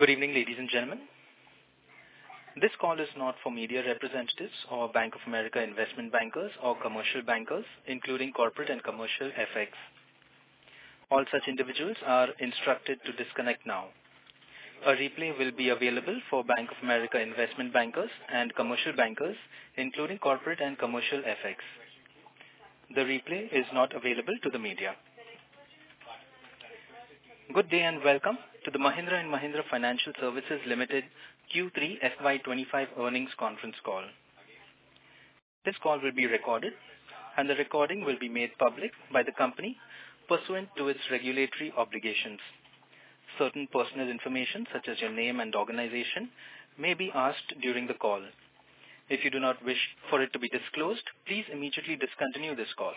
Good evening, ladies and gentlemen. This call is not for media representatives or Bank of America Investment Bankers or commercial bankers, including corporate and commercial FX. All such individuals are instructed to disconnect now. A replay will be available for Bank of America Investment Bankers and commercial bankers, including corporate and commercial FX. The replay is not available to the media. Good day and welcome to the Mahindra & Mahindra Financial Services Limited Q3 FY25 earnings conference call. This call will be recorded, and the recording will be made public by the company pursuant to its regulatory obligations. Certain personal information, such as your name and organization, may be asked during the call. If you do not wish for it to be disclosed, please immediately discontinue this call.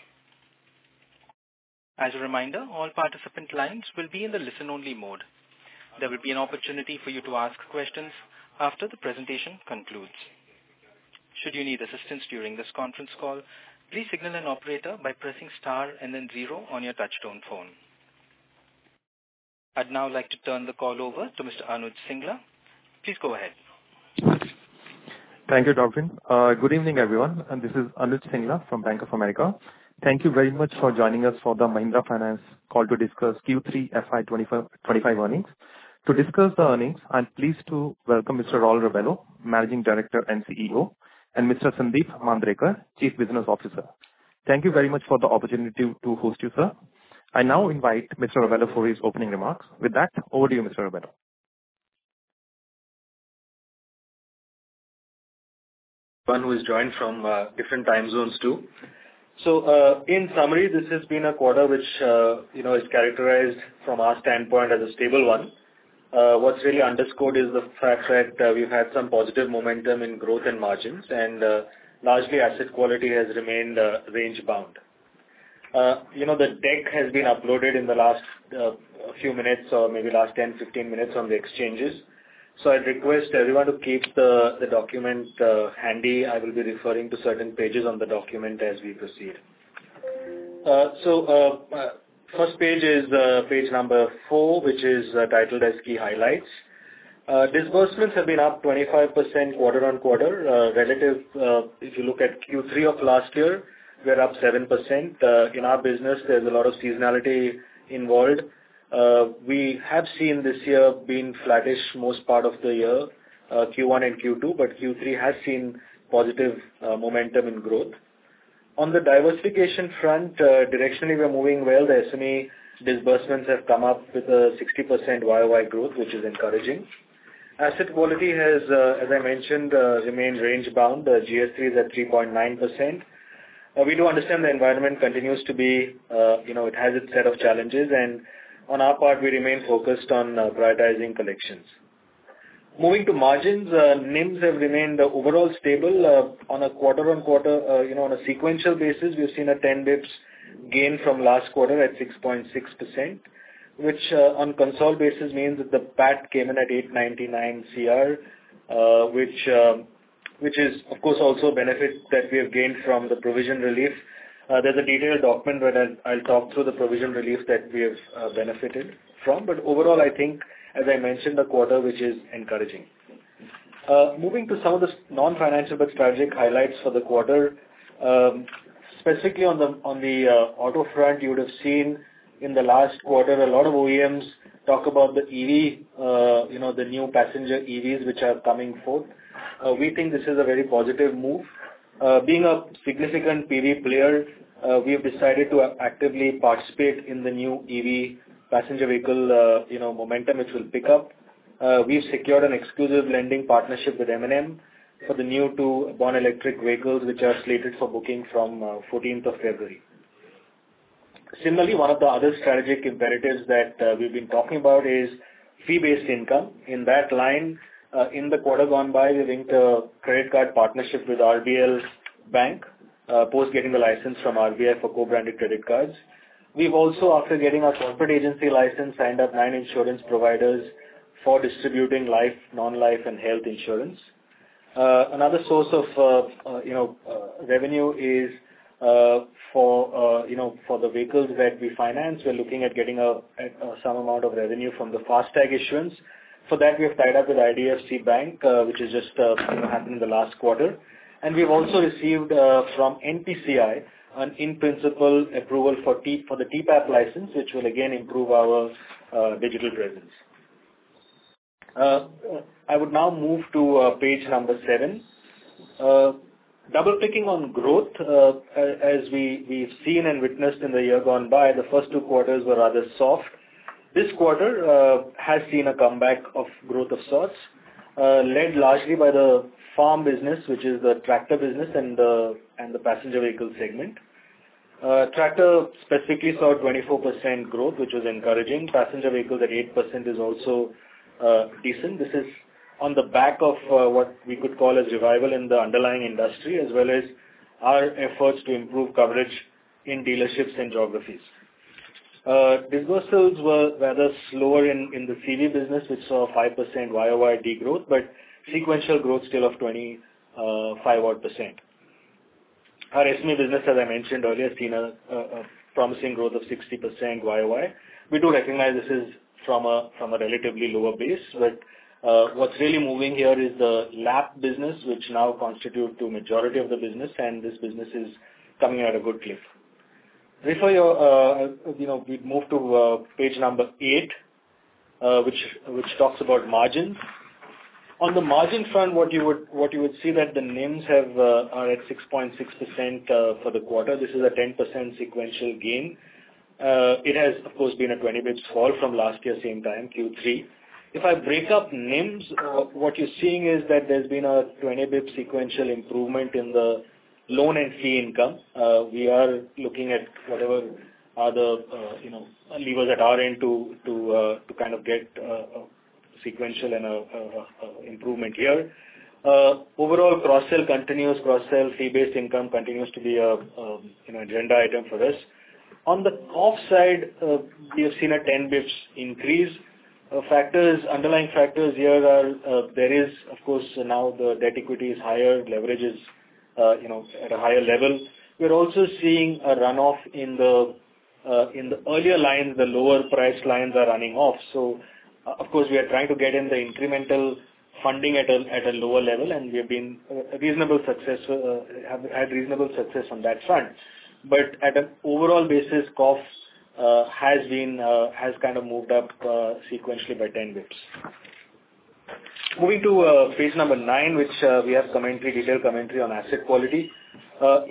As a reminder, all participant lines will be in the listen-only mode. There will be an opportunity for you to ask questions after the presentation concludes. Should you need assistance during this conference call, please signal an operator by pressing star and then zero on your touch-tone phone. I'd now like to turn the call over to Mr. Anuj Singla. Please go ahead. Thank you, Darwin. Good evening, everyone. This is Anuj Singla from Bank of America. Thank you very much for joining us for the Mahindra Finance call to discuss Q3 FY25 earnings. To discuss the earnings, I'm pleased to welcome Mr. Raul Rebello, Managing Director & CEO, and Mr. Sandeep Mandrekar, Chief Business Officer. Thank you very much for the opportunity to host you, sir. I now invite Mr. Rebello for his opening remarks. With that, over to you, Mr. Rebello. One who is joined from different time zones too. So in summary, this has been a quarter which is characterized, from our standpoint, as a stable one. What's really underscored is the fact that we've had some positive momentum in growth and margins, and largely, asset quality has remained range-bound. The deck has been uploaded in the last few minutes, or maybe last 10, 15 minutes on the exchanges. So I'd request everyone to keep the document handy. I will be referring to certain pages on the document as we proceed. So first page is page number four, which is titled as Key Highlights. Disbursements have been up 25% quarter on quarter. Relative, if you look at Q3 of last year, we're up 7%. In our business, there's a lot of seasonality involved. We have seen this year being flattish most part of the year, Q1 and Q2, but Q3 has seen positive momentum in growth. On the diversification front, directionally, we're moving well. The SME disbursements have come up with a 60% YOY growth, which is encouraging. Asset quality has, as I mentioned, remained range-bound. GS3 is at 3.9%. We do understand the environment continues to be, it has its set of challenges, and on our part, we remain focused on prioritizing collections. Moving to margins, NIMs have remained overall stable. On a quarter-on-quarter, on a sequential basis, we've seen a 10 basis points gain from last quarter at 6.6%, which on consolidation basis means that the PAT came in at 899 crore, which is, of course, also a benefit that we have gained from the provision relief. There's a detailed document where I'll talk through the provision relief that we have benefited from. But overall, I think, as I mentioned, a quarter which is encouraging. Moving to some of the non-financial but strategic highlights for the quarter. Specifically, on the auto front, you would have seen in the last quarter a lot of OEMs talk about the EV, the new passenger EVs which are coming forth. We think this is a very positive move. Being a significant PV player, we have decided to actively participate in the new EV passenger vehicle momentum which will pick up. We've secured an exclusive lending partnership with M&M for the new two Born Electric vehicles which are slated for booking from 14th of February. Similarly, one of the other strategic imperatives that we've been talking about is fee-based income. In that line, in the quarter gone by, we linked a credit card partnership with RBL Bank, post-getting the license from RBL for co-branded credit cards. We've also, after getting our corporate agency license, signed up nine insurance providers for distributing life, non-life, and health insurance. Another source of revenue is for the vehicles that we finance. We're looking at getting some amount of revenue from the FASTag issuance. For that, we have tied up with IDFC Bank, which just happened in the last quarter. And we've also received from NPCI an in-principle approval for the TPAP license, which will again improve our digital presence. I would now move to page number seven. Double-clicking on growth, as we've seen and witnessed in the year gone by, the first two quarters were rather soft. This quarter has seen a comeback of growth of sorts, led largely by the farm business, which is the tractor business and the passenger vehicle segment. Tractor specifically saw 24% growth, which was encouraging. Passenger vehicles at 8% is also decent. This is on the back of what we could call as revival in the underlying industry, as well as our efforts to improve coverage in dealerships and geographies. Disbursements were rather slower in the CV business, which saw a 5% YOY degrowth, but sequential growth still of 25-odd%. Our SME business, as I mentioned earlier, has seen a promising growth of 60% YOY. We do recognize this is from a relatively lower base, but what's really moving here is the LAP business, which now constitutes the majority of the business, and this business is coming at a good clip. Before we move to page number eight, which talks about margins. On the margin front, what you would see that the NIMs are at 6.6% for the quarter. This is a 10% sequential gain. It has, of course, been a 20 basis points fall from last year's same time, Q3. If I break up NIMs, what you're seeing is that there's been a 20 basis points sequential improvement in the loan and fee income. We are looking at whatever other levers at our end to kind of get a sequential improvement here. Overall, cross-sale continues. Cross-sale fee-based income continues to be an agenda item for us. On the cost side, we have seen a 10 basis points increase. Underlying factors here are there is, of course, now the debt equity is higher, leverage is at a higher level. We're also seeing a run-off in the earlier lines. The lower-priced lines are running off. So, of course, we are trying to get in the incremental funding at a lower level, and we have had reasonable success on that front. But at an overall basis, cost has kind of moved up sequentially by 10 basis points. Moving to page number nine, which we have detailed commentary on asset quality.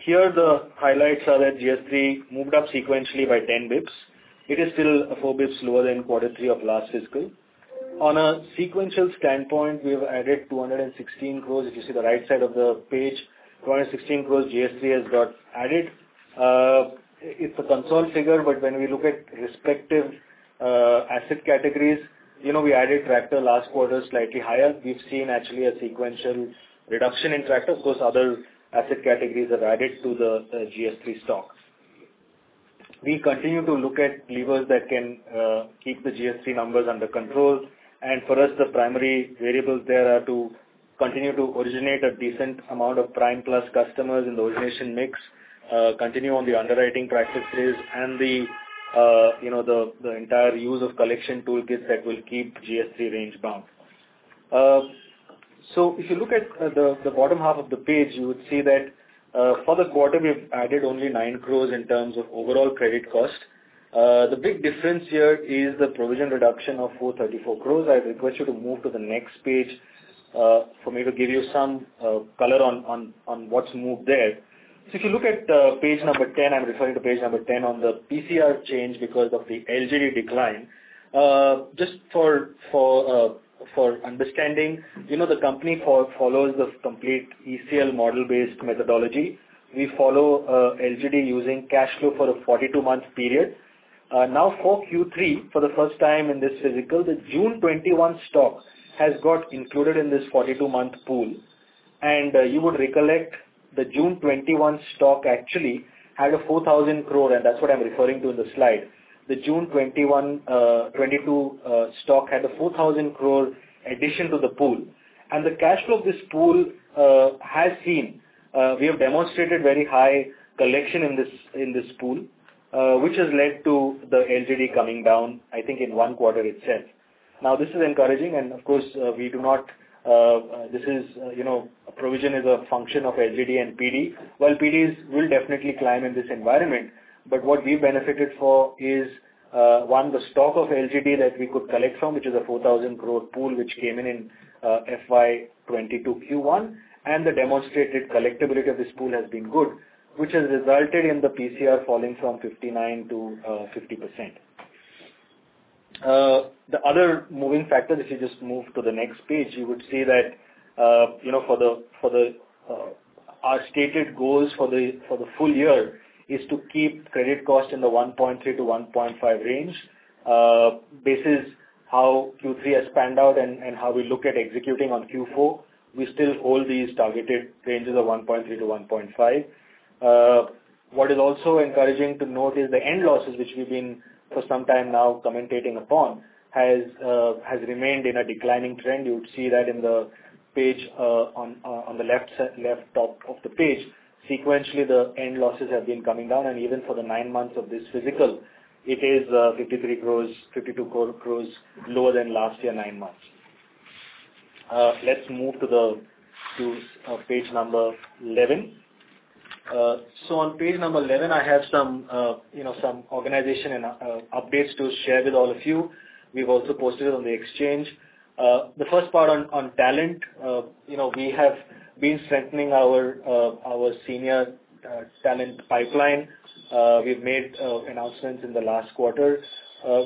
Here, the highlights are that GS3 moved up sequentially by 10 basis points. It is still 4 basis points lower than quarter three of last fiscal. On a sequential standpoint, we have added 216 crores. If you see the right side of the page, 216 crores GS3 has got added. It's a consolidated figure, but when we look at respective asset categories, we added tractor last quarter slightly higher. We've seen, actually, a sequential reduction in tractor. Of course, other asset categories have added to the GS3 stock. We continue to look at levers that can keep the GS3 numbers under control, and for us, the primary variables there are to continue to originate a decent amount of prime-plus customers in the origination mix, continue on the underwriting practices, and the entire use of collection toolkits that will keep GS3 range-bound, so if you look at the bottom half of the page, you would see that for the quarter, we have added only nine crores in terms of overall credit cost. The big difference here is the provision reduction of 434 crores. I'd request you to move to the next page for me to give you some color on what's moved there, so if you look at page number 10, I'm referring to page number 10 on the PCR change because of the LGD decline. Just for understanding, the company follows the complete ECL model-based methodology. We follow LGD using cash flow for a 42-month period. Now, for Q3, for the first time in this fiscal, the June 2021 stock has got included in this 42-month pool. You would recollect the June 2021 stock actually had a 4,000 crore, and that's what I'm referring to in the slide. The June 2022 stock had a 4,000 crore addition to the pool. The cash flow of this pool has seen we have demonstrated very high collection in this pool, which has led to the LGD coming down, I think, in one quarter itself. Now, this is encouraging, and of course, we do not this is provision is a function of LGD and PD. PDs will definitely climb in this environment, but what we've benefited for is, one, the stock of LGD that we could collect from, which is a 4,000 crore pool which came in in FY22 Q1, and the demonstrated collectibility of this pool has been good, which has resulted in the PCR falling from 59%-50%. The other moving factor, if you just move to the next page, you would see that for our stated goals for the full year is to keep credit cost in the 1.3%-1.5% range. This is how Q3 has panned out, and how we look at executing on Q4, we still hold these targeted ranges of 1.3%-1.5%. What is also encouraging to note is the end losses, which we've been for some time now commentating upon, has remained in a declining trend. You would see that in the page on the left top of the page. Sequentially, the net losses have been coming down, and even for the nine months of this fiscal, it is 53 crores, 52 crores lower than last year's nine months. Let's move to page number 11. So on page number 11, I have some organizational updates to share with all of you. We've also posted it on the exchange. The first part on talent, we have been strengthening our senior talent pipeline. We've made announcements in the last quarter.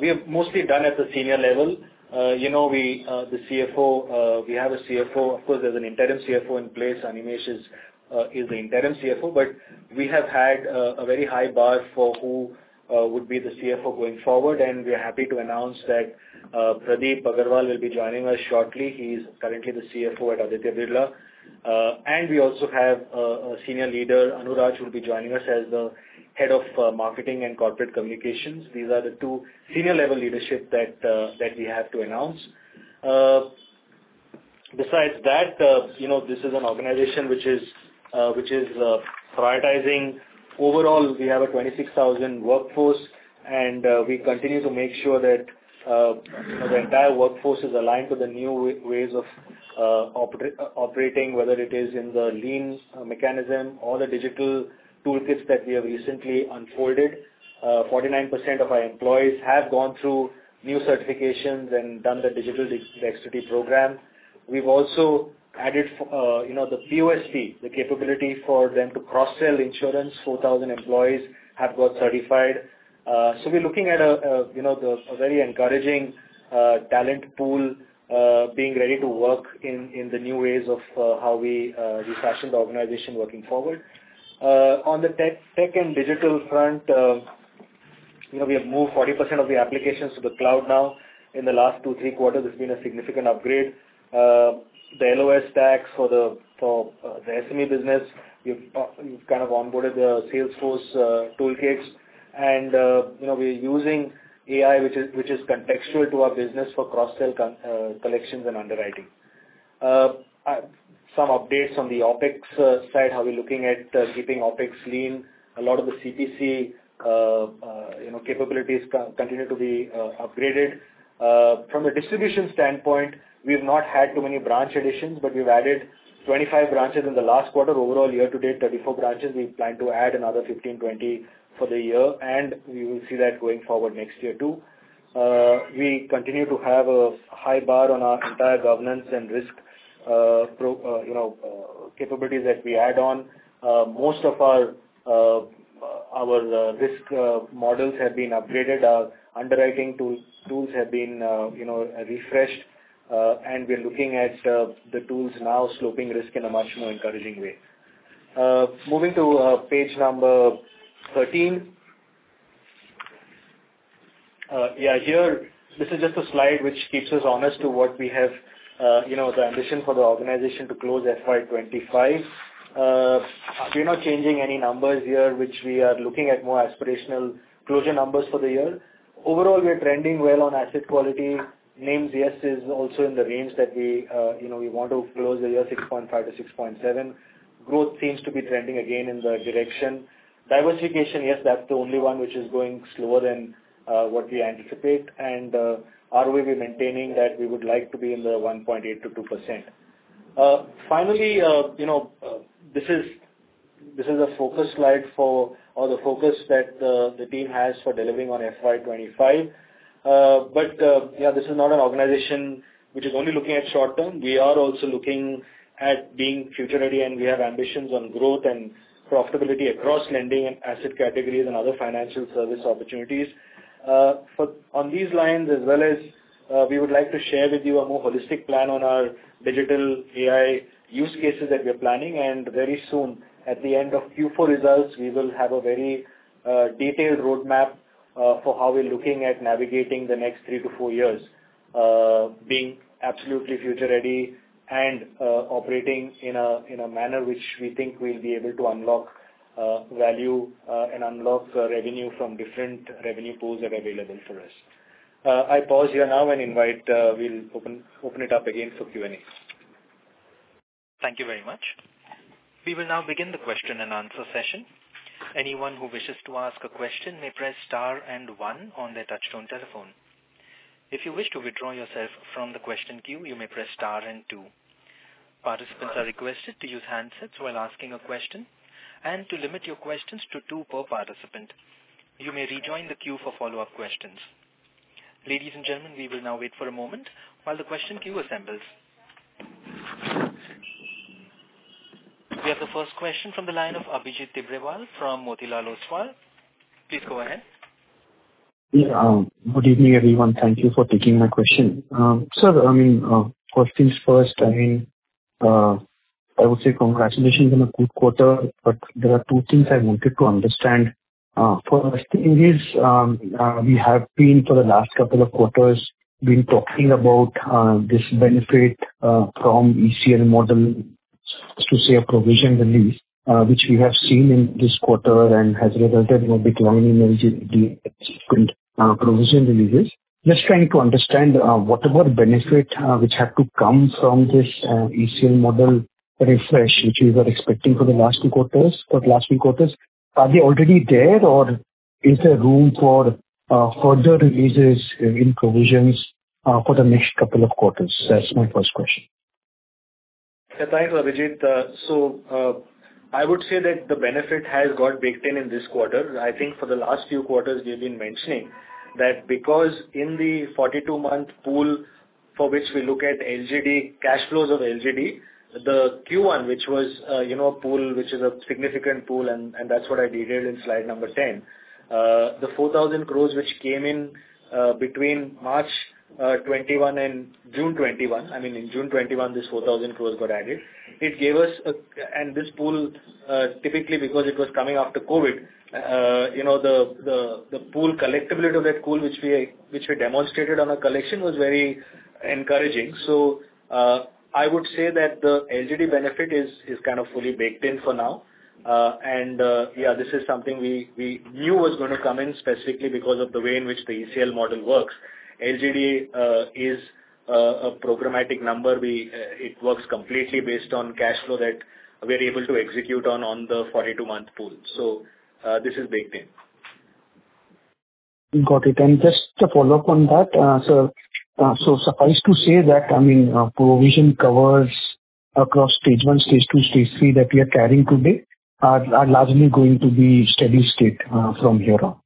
We have mostly done at the senior level. The CFO, we have a CFO. Of course, there's an interim CFO in place. Animesh is the interim CFO, but we have had a very high bar for who would be the CFO going forward, and we're happy to announce that Pradeep Agrawal will be joining us shortly. He's currently the CFO at Aditya Birla Capital. And we also have a senior leader, Anurag, who will be joining us as the head of marketing and corporate communications. These are the two senior-level leadership that we have to announce. Besides that, this is an organization which is prioritizing. Overall, we have a 26,000 workforce, and we continue to make sure that the entire workforce is aligned to the new ways of operating, whether it is in the lean mechanism or the digital toolkits that we have recently unfolded. 49% of our employees have gone through new certifications and done the digital dexterity program. We've also added the POSP, the capability for them to cross-sell insurance. 4,000 employees have got certified. So we're looking at a very encouraging talent pool being ready to work in the new ways of how we fashion the organization working forward. On the tech and digital front, we have moved 40% of the applications to the cloud now. In the last two, three quarters, there's been a significant upgrade. The LOS stacks for the SME business, we've kind of onboarded the Salesforce toolkits, and we're using AI, which is contextual to our business for cross-sell collections and underwriting. Some updates on the OpEx side, how we're looking at keeping OpEx lean. A lot of the CPC capabilities continue to be upgraded. From a distribution standpoint, we've not had too many branch additions, but we've added 25 branches in the last quarter. Overall, year to date, 34 branches. We plan to add another 15-20 for the year, and we will see that going forward next year too. We continue to have a high bar on our entire governance and risk capabilities that we add on. Most of our risk models have been upgraded. Our underwriting tools have been refreshed, and we're looking at the tools now sloping risk in a much more encouraging way. Moving to page number 13. Yeah, here, this is just a slide which keeps us honest to what we have the ambition for the organization to close FY25. We're not changing any numbers here, which we are looking at more aspirational closure numbers for the year. Overall, we're trending well on asset quality. NIMs, yes, is also in the range that we want to close the year 6.5%-6.7%. Growth seems to be trending again in the direction. Diversification, yes, that's the only one which is going slower than what we anticipate, and our way we're maintaining that we would like to be in the 1.8%-2%. Finally, this is a focus slide for all the focus that the team has for delivering on FY25. But yeah, this is not an organization which is only looking at short term. We are also looking at being future-ready, and we have ambitions on growth and profitability across lending and asset categories and other financial service opportunities. On these lines, as well as we would like to share with you a more holistic plan on our digital AI use cases that we are planning, and very soon, at the end of Q4 results, we will have a very detailed roadmap for how we're looking at navigating the next three to four years, being absolutely future-ready and operating in a manner which we think we'll be able to unlock value and unlock revenue from different revenue pools that are available for us. I pause here now and invite we'll open it up again for Q&A. Thank you very much. We will now begin the question and answer session. Anyone who wishes to ask a question may press star and one on their touch-tone telephone. If you wish to withdraw yourself from the question queue, you may press star and two. Participants are requested to use handsets while asking a question and to limit your questions to two per participant. You may rejoin the queue for follow-up questions. Ladies and gentlemen, we will now wait for a moment while the question queue assembles. We have the first question from the line of Abhijit Tibrewal from Motilal Oswal. Please go ahead. Yeah. Good evening, everyone. Thank you for taking my question. Sir, I mean, first things first, I mean, I would say congratulations on a good quarter, but there are two things I wanted to understand. First thing is we have been, for the last couple of quarters, been talking about this benefit from ECL model to say a provision release, which we have seen in this quarter and has resulted in a decline in the provision releases. Just trying to understand what about benefit which have to come from this ECL model refresh, which we were expecting for the last two quarters. But last two quarters, are they already there, or is there room for further releases in provisions for the next couple of quarters? That's my first question. Yeah, thanks, Abhijit. So I would say that the benefit has got baked in in this quarter. I think for the last few quarters, we have been mentioning that because in the 42-month pool for which we look at LGD cash flows of LGD, the Q1, which was a pool which is a significant pool, and that's what I detailed in slide number 10, the 4,000 crores which came in between March 2021 and June 2021. I mean, in June 2021, this 4,000 crores got added. It gave us a, and this pool, typically because it was coming after COVID, the pool collectibility of that pool, which we demonstrated on a collection, was very encouraging. I would say that the LGD benefit is kind of fully baked in for now. Yeah, this is something we knew was going to come in specifically because of the way in which the ECL model works. LGD is a programmatic number. It works completely based on cash flow that we're able to execute on the 42-month pool. So this is baked in. Got it. And just to follow up on that, sir, so suffice to say that, I mean, provision coverage across stage one, stage two, stage three that we are carrying today are largely going to be steady state from here on.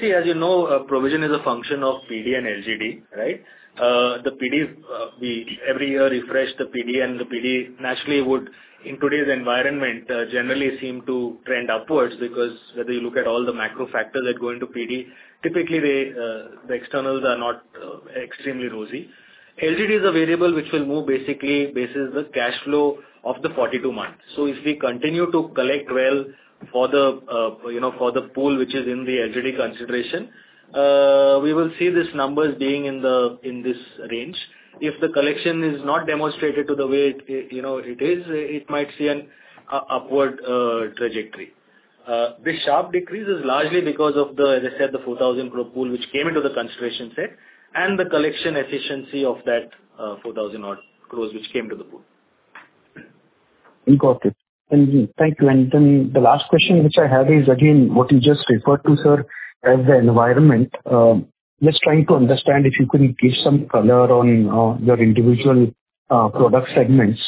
See, as you know, provision is a function of PD and LGD, right? The PD, every year, refresh the PD, and the PD naturally would, in today's environment, generally seem to trend upwards because whether you look at all the macro factors that go into PD, typically the externals are not extremely rosy. LGD is a variable which will move basically basis the cash flow of the 42 months. So if we continue to collect well for the pool which is in the LGD consideration, we will see these numbers being in this range. If the collection is not demonstrated to the way it is, it might see an upward trajectory. This sharp decrease is largely because of the, as I said, the 4,000 crore pool which came into the consideration set and the collection efficiency of that 4,000 crores which came to the pool. Got it. Thank you. And then the last question which I have is, again, what you just referred to, sir, as the environment. Just trying to understand if you could give some color on your individual product segments,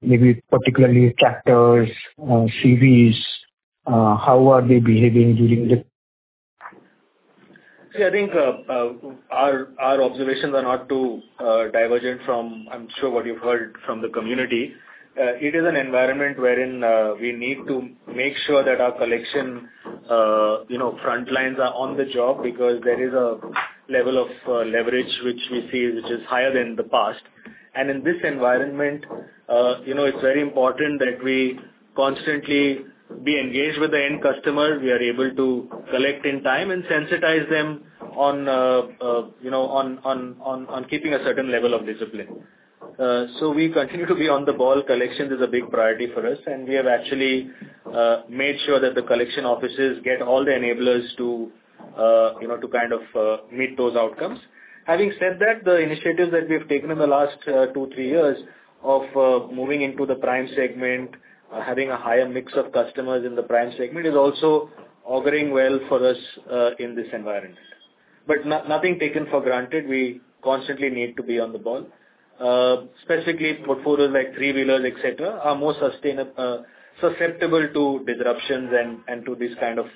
maybe particularly tractors, CVs, how are they behaving during the? See, I think our observations are not too divergent from, I'm sure, what you've heard from the community. It is an environment wherein we need to make sure that our collection front lines are on the job because there is a level of leverage which we see which is higher than the past, and in this environment, it's very important that we constantly be engaged with the end customer. We are able to collect in time and sensitize them on keeping a certain level of discipline, so we continue to be on the ball. Collection is a big priority for us, and we have actually made sure that the collection offices get all the enablers to kind of meet those outcomes. Having said that, the initiatives that we have taken in the last two, three years of moving into the prime segment, having a higher mix of customers in the prime segment is also auguring well for us in this environment, but nothing taken for granted. We constantly need to be on the ball. Specifically, portfolios like three-wheelers, etc., are more susceptible to disruptions and to these kind of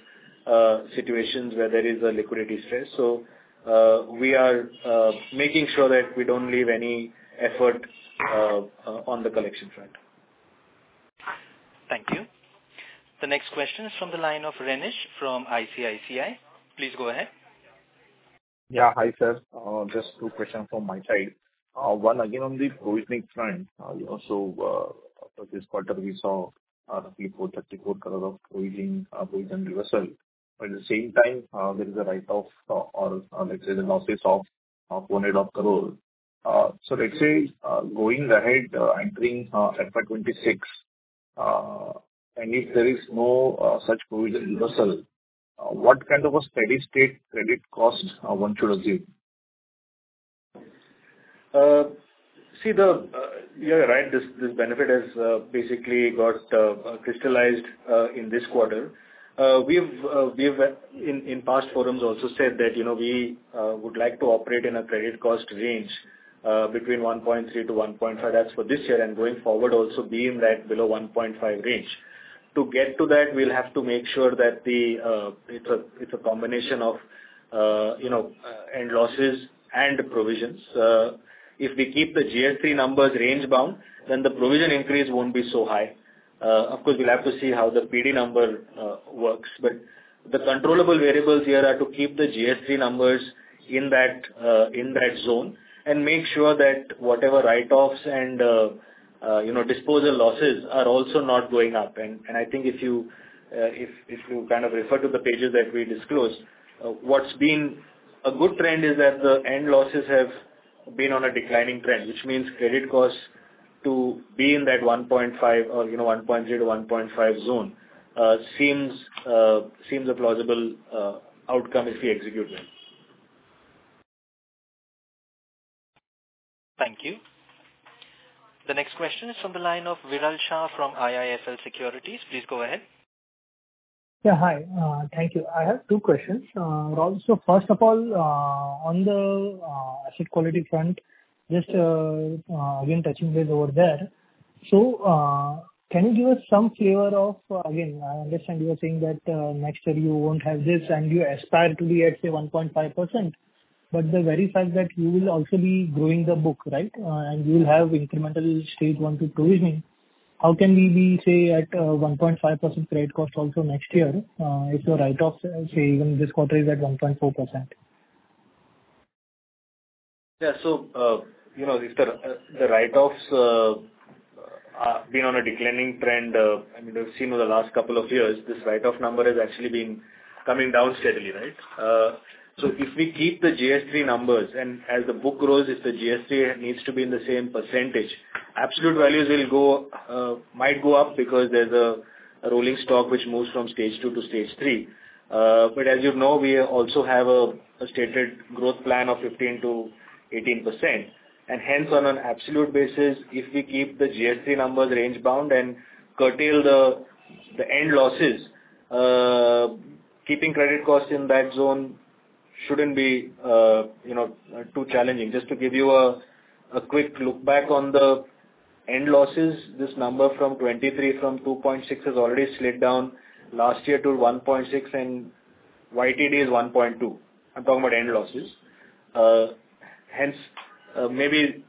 situations where there is a liquidity stress. So we are making sure that we don't leave any effort on the collection front. Thank you. The next question is from the line of Renish from ICICI. Please go ahead. Yeah. Hi, sir. Just two questions from my side. One, again, on the provisioning front. So this quarter, we saw roughly 434 crores of provision reversal. At the same time, there is a write-off or, let's say, the losses of 400 crores. So let's say going ahead, entering FY26, and if there is no such provision reversal, what kind of a steady state credit cost one should assume? See, you're right. This benefit has basically got crystallized in this quarter. We have, in past forums, also said that we would like to operate in a credit cost range between 1.3%-1.5%. That's for this year and going forward also being that below 1.5% range. To get to that, we'll have to make sure that it's a combination of net losses and provisions. If we keep the GS3 numbers range bound, then the provision increase won't be so high. Of course, we'll have to see how the PD number works. But the controllable variables here are to keep the GS3 numbers in that zone and make sure that whatever write-offs and disposal losses are also not going up. I think if you kind of refer to the pages that we disclosed, what's been a good trend is that the end losses have been on a declining trend, which means credit costs to be in that 1.5% or 1.3%-1.5% zone seems a plausible outcome if we execute them. Thank you. The next question is from the line of Viral Shah from IIFL Securities. Please go ahead. Yeah. Hi. Thank you. I have two questions. So first of all, on the asset quality front, just again touching base over there. So can you give us some flavor of, again, I understand you were saying that next year you won't have this and you aspire to be at, say, 1.5%. But the very fact that you will also be growing the book, right, and you will have incremental stage one to provision, how can we be, say, at 1.5% credit cost also next year if the write-off, say, even this quarter is at 1.4%? Yeah. So if the write-offs have been on a declining trend, I mean, we've seen over the last couple of years, this write-off number has actually been coming down steadily, right? So if we keep the GS3 numbers and as the book grows, if the GS3 needs to be in the same percentage, absolute values might go up because there's a rolling stock which moves from stage two to stage three. But as you know, we also have a stated growth plan of 15%-18%. Hence, on an absolute basis, if we keep the GST numbers range bound and curtail the end losses, keeping credit costs in that zone shouldn't be too challenging. Just to give you a quick look back on the end losses, this number from 23 from 2.6 has already slid down last year to 1.6, and YTD is 1.2. I'm talking about end losses. Hence, maybe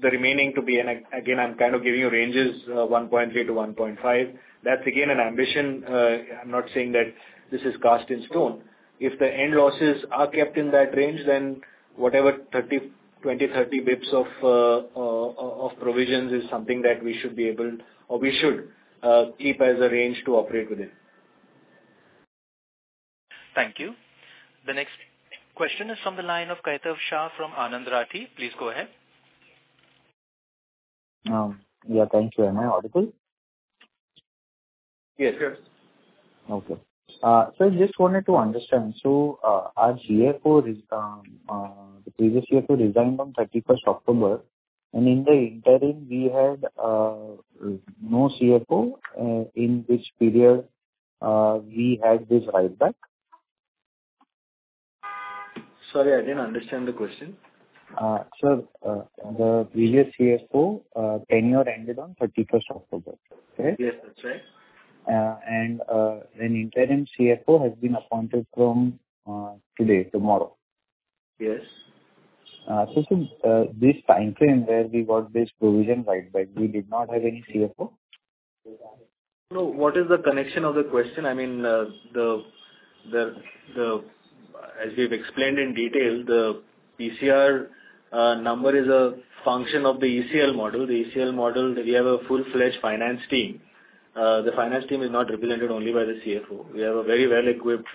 the remaining to be in, again, I'm kind of giving you ranges 1.3-1.5. That's again an ambition. I'm not saying that this is cast in stone. If the end losses are kept in that range, then whatever 20-30 basis points of provisions is something that we should be able, or we should keep as a range to operate within. Thank you. The next question is from the line of Kaitav Shah from Anand Rathi. Please go ahead. Yeah. Thank you. Am I audible? Yes. Yes. Okay. Sir, just wanted to understand. So our CFO, the previous CFO, resigned on 31st October, and in the interim, we had no CFO, in which period we had this write-back. Sorry, I didn't understand the question. Sir, the previous CFO tenure ended on 31st October. Correct? Yes, that's right. And an interim CFO has been appointed from today, tomorrow. Yes. So this time frame where we got this provision write-back, we did not have any CFO? No, what is the connection of the question? I mean, as we've explained in detail, the PCR number is a function of the ECL model. The ECL model, we have a full-fledged finance team. The finance team is not represented only by the CFO. We have a very well-equipped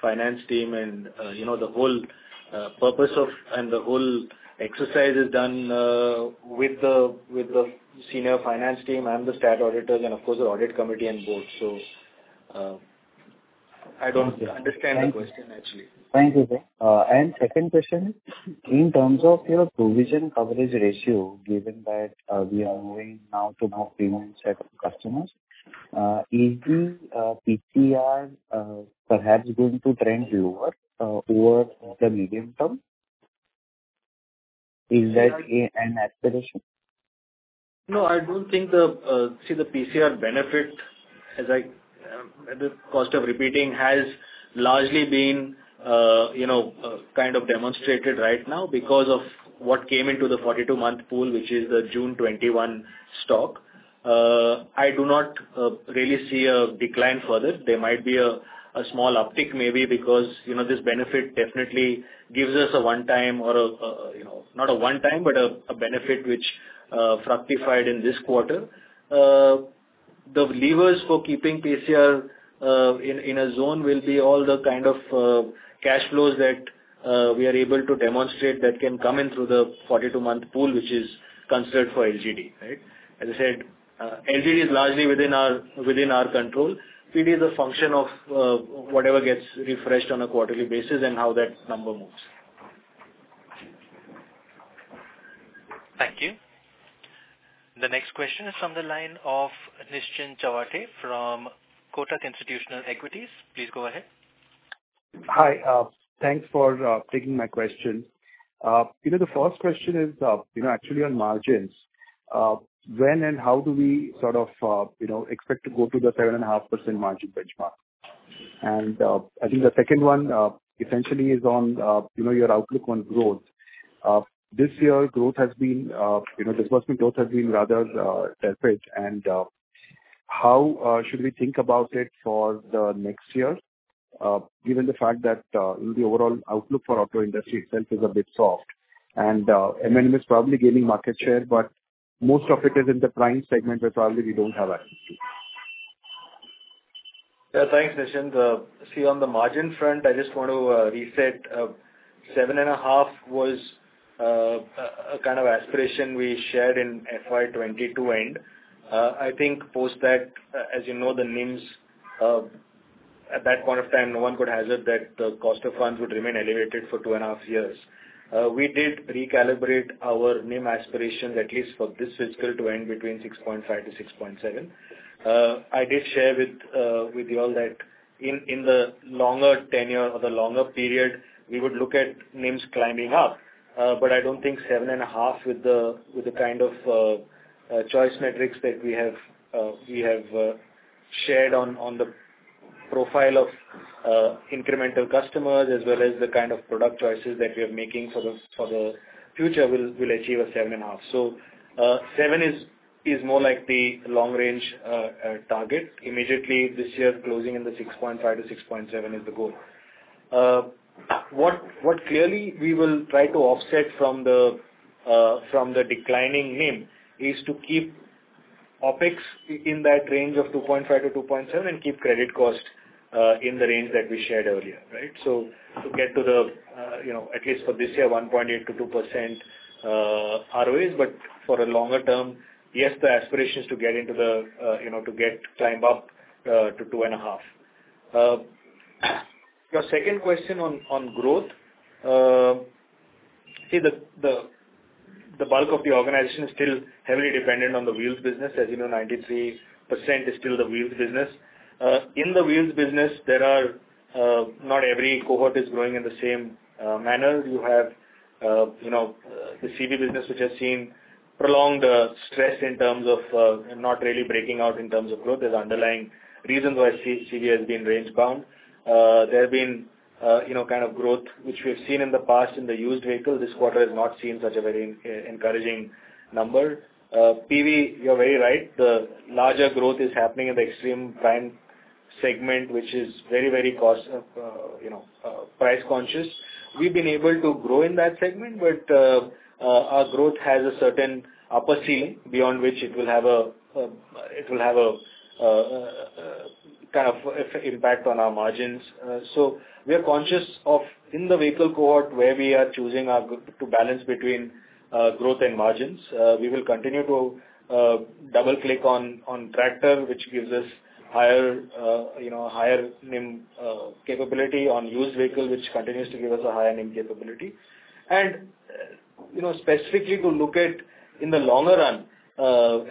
finance team, and the whole purpose and the whole exercise is done with the senior finance team and the statutory auditors and, of course, the audit committee and board. So I don't understand the question, actually. Thank you, sir. And second question, in terms of your provision coverage ratio, given that we are moving now to more premium set of customers, is the PCR perhaps going to trend lower over the medium term? Is that an aspiration? No, I don't think the, see, the PCR benefit, as the cost of repricing has largely been kind of demonstrated right now because of what came into the 42-month pool, which is the June 2021 stock. I do not really see a decline further. There might be a small uptick maybe because this benefit definitely gives us a one-time or not a one-time, but a benefit which fructified in this quarter. The levers for keeping PCR in a zone will be all the kind of cash flows that we are able to demonstrate that can come in through the 42-month pool, which is considered for LGD, right? As I said, LGD is largely within our control. PD is a function of whatever gets refreshed on a quarterly basis and how that number moves. Thank you. The next question is from the line of Nischint Chawathe from Kotak Institutional Equities. Please go ahead. Hi. Thanks for taking my question. The first question is actually on margins. When and how do we sort of expect to go to the 7.5% margin benchmark? And I think the second one essentially is on your outlook on growth. This year, disbursement growth has been rather tepid. How should we think about it for the next year given the fact that the overall outlook for auto industry itself is a bit soft? And M&M is probably gaining market share, but most of it is in the prime segment where probably we don't have access to. Yeah. Thanks, Nischint. See, on the margin front, I just want to reset. 7.5% was a kind of aspiration we shared in FY22 end. I think post that, as you know, the NIMS, at that point of time, no one could hazard that the cost of funds would remain elevated for two and a half years. We did recalibrate our NIM aspirations, at least for this fiscal to end between 6.5% to 6.7%. I did share with you all that in the longer tenure or the longer period, we would look at NIM climbing up. But I don't think 7.5% with the kind of choice metrics that we have shared on the profile of incremental customers as well as the kind of product choices that we are making for the future will achieve a 7.5%. So 7% is more like the long-range target. Immediately this year, closing in the 6.5%-6.7% is the goal. What clearly we will try to offset from the declining NIM is to keep OpEx in that range of 2.5%-2.7% and keep credit cost in the range that we shared earlier, right? So to get to the, at least for this year, 1.8%-2% ROAs. But for a longer term, yes, the aspiration is to climb up to 2.5%. Your second question on growth, see, the bulk of the organization is still heavily dependent on the wheels business. As you know, 93% is still the wheels business. In the wheels business, there are not every cohort is growing in the same manner. You have the CV business, which has seen prolonged stress in terms of not really breaking out in terms of growth. There's underlying reasons why CV has been range bound. There have been kind of growth, which we have seen in the past in the used vehicle. This quarter has not seen such a very encouraging number. PV, you're very right. The larger growth is happening in the extreme prime segment, which is very, very price conscious. We've been able to grow in that segment, but our growth has a certain upper ceiling beyond which it will have a kind of impact on our margins. So we are conscious of in the vehicle cohort where we are choosing to balance between growth and margins. We will continue to double-click on tractor, which gives us higher NIM capability on used vehicle, which continues to give us a higher NIM capability. And specifically to look at in the longer run,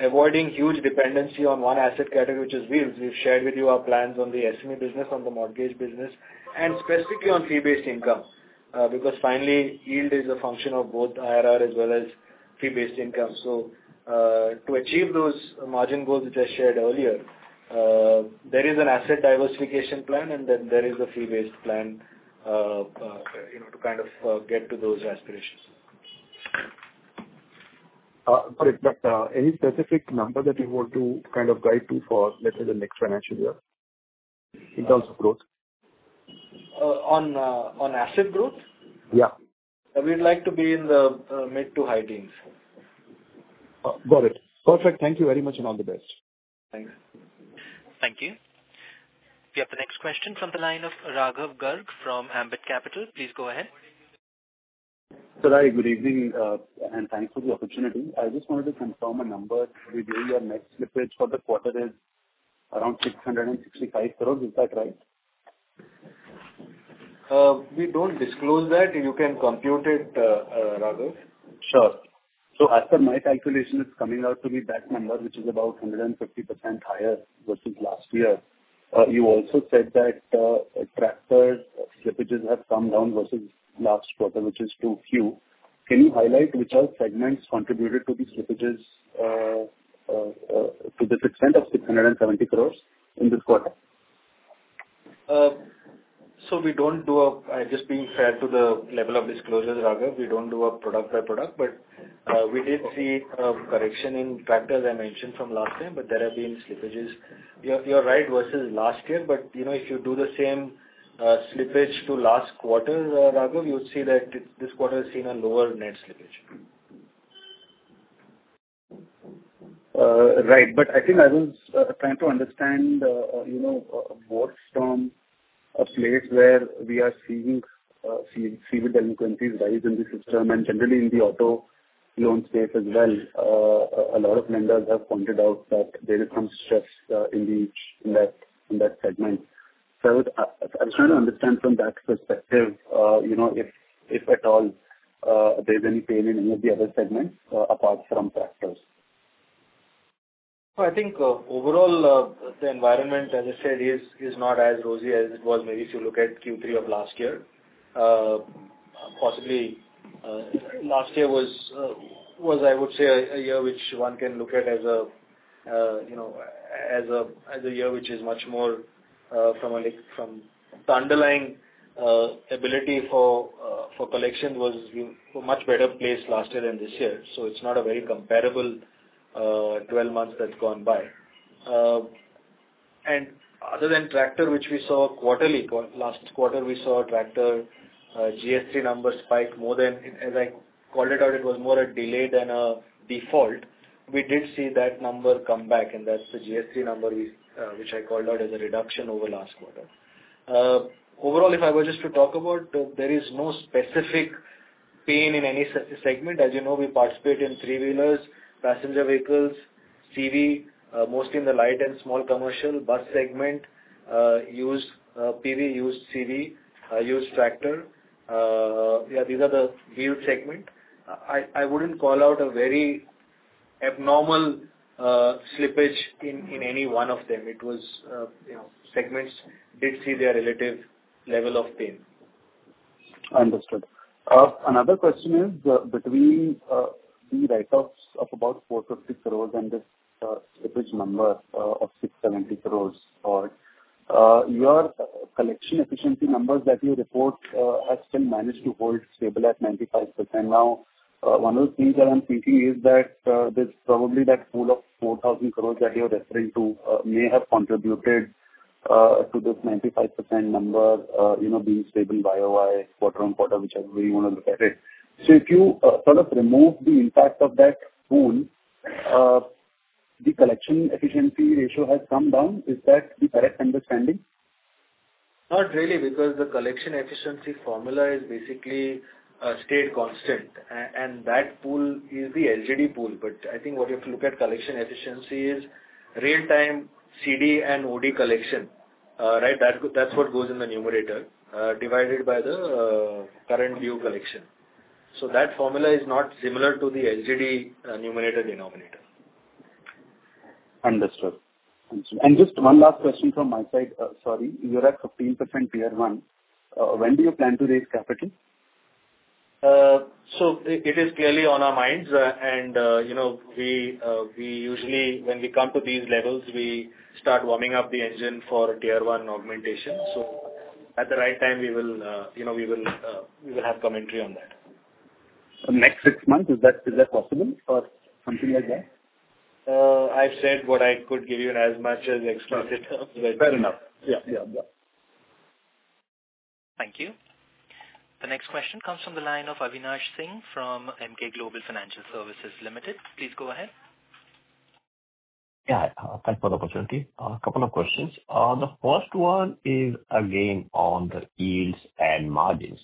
avoiding huge dependency on one asset category, which is wheels, we've shared with you our plans on the SME business, on the mortgage business, and specifically on fee-based income because finally, yield is a function of both IRR as well as fee-based income. To achieve those margin goals which I shared earlier, there is an asset diversification plan, and then there is a fee-based plan to kind of get to those aspirations. Got it. But any specific number that you want to kind of guide to for, let's say, the next financial year in terms of growth? On asset growth? Yeah. We'd like to be in the mid to high teens. Got it. Perfect. Thank you very much and all the best. Thanks. Thank you. We have the next question from the line of Raghav Garg from Ambit Capital. Please go ahead. Sir, hi. Good evening and thanks for the opportunity. I just wanted to confirm a number with you. Your net slippage for the quarter is around 665 crores. Is that right? We don't disclose that. You can compute it, Raghav. Sure. So as per my calculation, it's coming out to be that number, which is about 150% higher versus last year. You also said that tractor slippages have come down versus last quarter, which is 2Q. Can you highlight which segments contributed to these slippages to this extent of 670 crores in this quarter? So we don't do it just being fair to the level of disclosures, Raghav. We don't do a product by product. But we did see a correction in tractors I mentioned from last time, but there have been slippages. You're right versus last year, but if you do the same slippage to last quarter, Raghav, you would see that this quarter has seen a lower net slippage. Right. But I think I was trying to understand what's from a place where we are seeing CV delinquencies rise in the system and generally in the auto loan space as well. A lot of lenders have pointed out that there is some stress in that segment. So I was trying to understand from that perspective, if at all, there's any pain in any of the other segments apart from tractors? Well, I think overall, the environment, as I said, is not as rosy as it was maybe if you look at Q3 of last year. Possibly last year was, I would say, a year which one can look at as a year which is much more from the underlying ability for collection was a much better place last year than this year. So it's not a very comparable 12 months that's gone by. Other than tractor, which we saw quarterly, last quarter we saw tractor GST number spike more than as I called it out, it was more a delay than a default. We did see that number come back, and that's the GST number which I called out as a reduction over last quarter. Overall, if I were just to talk about, there is no specific pain in any segment. As you know, we participate in three-wheelers, passenger vehicles, CV, mostly in the light and small commercial bus segment, PV used CV, used tractor. Yeah, these are the wheel segment. I wouldn't call out a very abnormal slippage in any one of them. It was segments did see their relative level of pain. Understood. Another question is between the write-offs of about 450 crores and this slippage number of 670 crores, your collection efficiency numbers that you report have still managed to hold stable at 95%. Now, one of the things that I'm thinking is that there's probably that pool of 4,000 crores that you're referring to may have contributed to this 95% number being stable by quarter on quarter, whichever way you want to look at it. So if you sort of remove the impact of that pool, the collection efficiency ratio has come down. Is that the correct understanding? Not really because the collection efficiency formula is basically a static constant, and that pool is the LGD pool. But I think what you have to look at collection efficiency is real-time CD and OD collection, right? That's what goes in the numerator divided by the current due collection. So that formula is not similar to the LGD numerator denominator. Understood. And just one last question from my side. Sorry. You're at 15% Tier 1. When do you plan to raise capital? So it is clearly on our minds, and we usually, when we come to these levels, we start warming up the engine for Tier 1 augmentation. So at the right time, we will have commentary on that. The next six months, is that possible or something like that? I've said what I could give you in as much as expected terms. Fair enough. Yeah. Yeah. Yeah. Thank you. The next question comes from the line of Avinash Singh from Emkay Global Financial Services Limited. Please go ahead. Yeah. Thanks for the opportunity. A couple of questions. The first one is again on the yields and margins.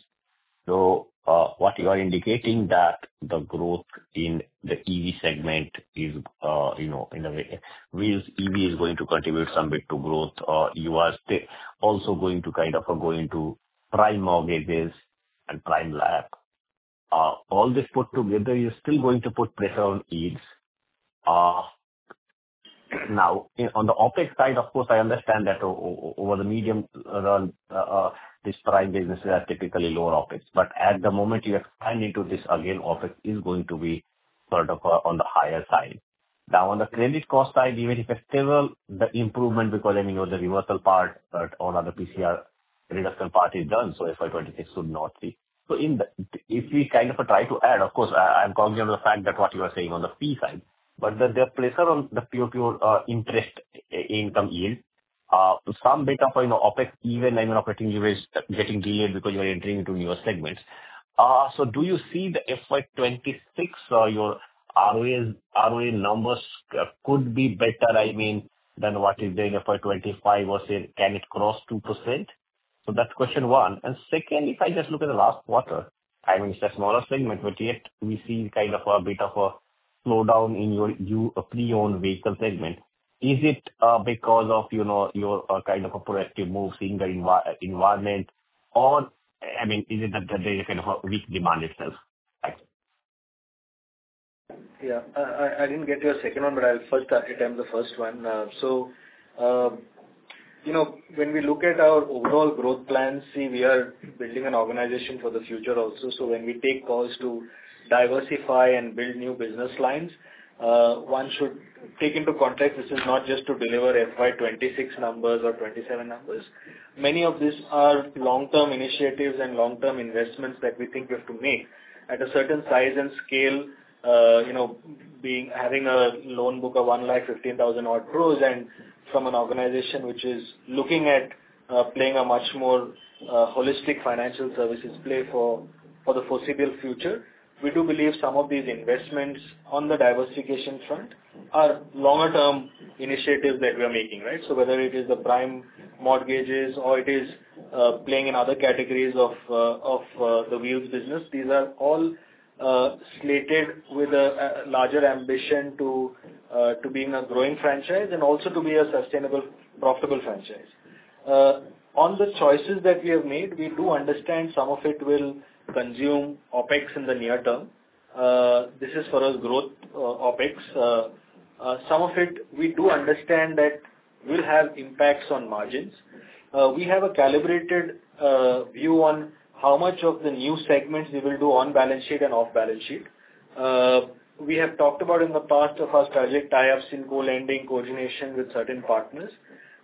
So, what you are indicating that the growth in the EV segment is in a way while EV is going to contribute some bit to growth. You are also going to kind of go into prime mortgages and prime LAP. All this put together is still going to put pressure on yields. Now, on the OpEx side, of course, I understand that over the medium run, these prime businesses are typically lower OpEx. But at the moment you expand into this, again, OpEx is going to be sort of on the higher side. Now, on the credit cost side, even if there's still the improvement because I mean, the reversal part or other PCR reduction part is done, so FY26 should not see. So if we kind of try to add, of course, I'm calling you on the fact that what you are saying on the fee side, but there's pressure on the pure interest income yield. Some bit of OPEX, even I mean, operating yield is getting delayed because you are entering into newer segments. So do you see the FY26, your ROA numbers could be better, I mean, than what is there in FY25, or can it cross 2%? So that's question one. And second, if I just look at the last quarter, I mean, it's a smaller segment, but yet we see kind of a bit of a slowdown in your pre-owned vehicle segment. Is it because of your kind of a proactive move seeing the environment, or I mean, is it that there is kind of a weak demand itself? Yeah. I didn't get your second one, but I'll first attempt the first one. So when we look at our overall growth plan, see, we are building an organization for the future also. So when we take calls to diversify and build new business lines, one should take into context this is not just to deliver FY26 numbers or 27 numbers. Many of these are long-term initiatives and long-term investments that we think we have to make. At a certain size and scale, having a loan book of 115,000 odd crores and from an organization which is looking at playing a much more holistic financial services play for the foreseeable future, we do believe some of these investments on the diversification front are longer-term initiatives that we are making, right? Whether it is the prime mortgages or it is playing in other categories of the wheels business, these are all slated with a larger ambition to being a growing franchise and also to be a sustainable, profitable franchise. On the choices that we have made, we do understand some of it will consume OpEx in the near term. This is for us growth OpEx. Some of it, we do understand that will have impacts on margins. We have a calibrated view on how much of the new segments we will do on balance sheet and off balance sheet. We have talked about in the past of our strategic tie-ups in co-lending coordination with certain partners.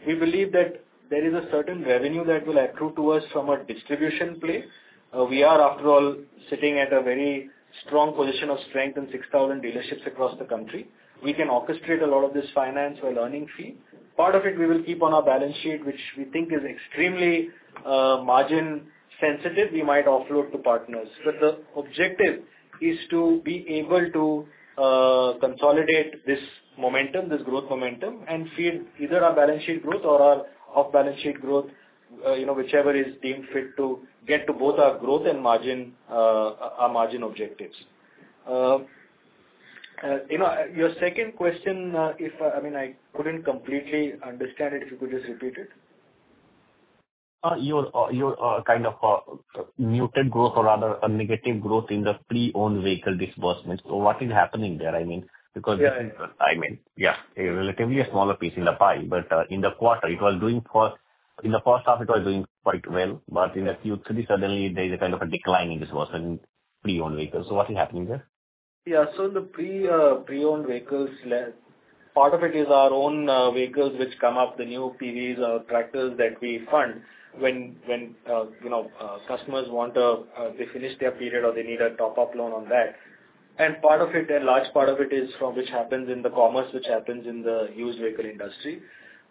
We believe that there is a certain revenue that will accrue to us from a distribution play. We are, after all, sitting at a very strong position of strength in 6,000 dealerships across the country. We can orchestrate a lot of this finance or lending fee. Part of it, we will keep on our balance sheet, which we think is extremely margin-sensitive. We might offload to partners. But the objective is to be able to consolidate this momentum, this growth momentum, and feed either our balance sheet growth or our off-balance sheet growth, whichever is deemed fit to get to both our growth and margin objectives. Your second question, if I mean, I couldn't completely understand it. If you could just repeat it. Your kind of muted growth or rather a negative growth in the pre-owned vehicle disbursement. So what is happening there, I mean, because I mean, yeah, a relatively smaller piece in the pie, but in the quarter, it was doing for in the first half, it was doing quite well, but in the Q3, suddenly there is a kind of a decline in disbursement in pre-owned vehicles. So what is happening there? Yeah. So in the pre-owned vehicles, part of it is our own vehicles which come up, the new PVs or tractors that we fund when customers want to finish their period or they need a top-up loan on that. And part of it, a large part of it is from which happens in the commerce, which happens in the used vehicle industry.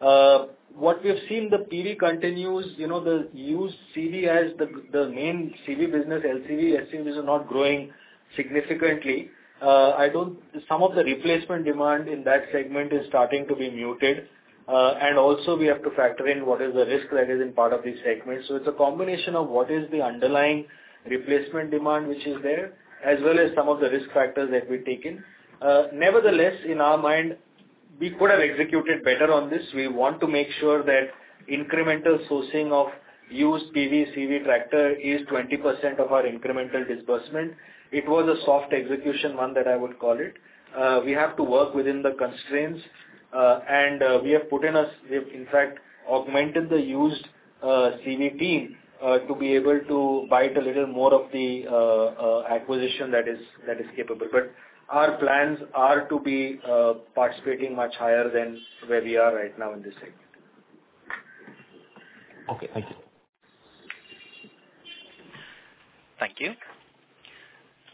What we have seen, the PV continues, the used CV as the main CV business, LCV, SCVs are not growing significantly. Some of the replacement demand in that segment is starting to be muted. And also, we have to factor in what is the risk that is in part of these segments. So it's a combination of what is the underlying replacement demand which is there, as well as some of the risk factors that we take in. Nevertheless, in our mind, we could have executed better on this. We want to make sure that incremental sourcing of used PV, CV, tractor is 20% of our incremental disbursement. It was a soft execution one that I would call it. We have to work within the constraints, and we have put in, in fact, augmented the used CV team to be able to bite a little more of the acquisition that is capable. But our plans are to be participating much higher than where we are right now in this segment. Okay. Thank you. Thank you.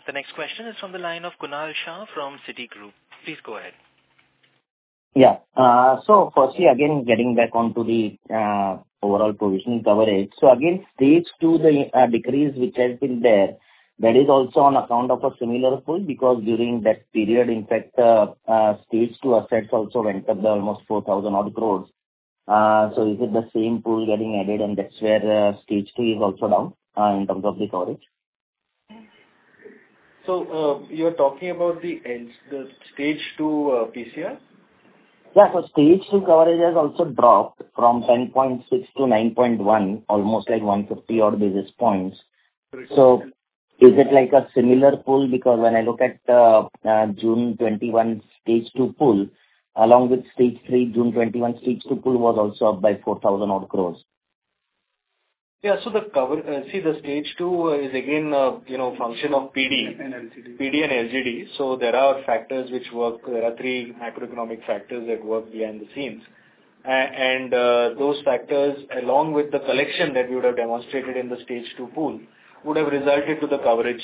The next question is from the line of Kunal Shah from Citigroup. Please go ahead. Yeah. So firstly, again, getting back onto the overall provision coverage. So again, states to the decrease which has been there, that is also on account of a similar pool because during that period, in fact, stage two assets also went up to almost 4,000 odd crores. So is it the same pool getting added, and that's where stage two is also down in terms of the coverage? So you're talking about the stage two PCR? Yeah. So stage two coverage has also dropped from 10.6 to 9.1, almost like 150 odd basis points. So is it like a similar pool? Because when I look at the June 2021 stage two pool, along with stage three, June 2021 stage two pool was also up by 4,000 odd crores. Yeah. So the coverage, see, the stage two is again a function of PD and LGD. So there are factors which work. There are three macroeconomic factors that work behind the scenes. And those factors, along with the collection that you would have demonstrated in the stage two pool, would have resulted to the coverage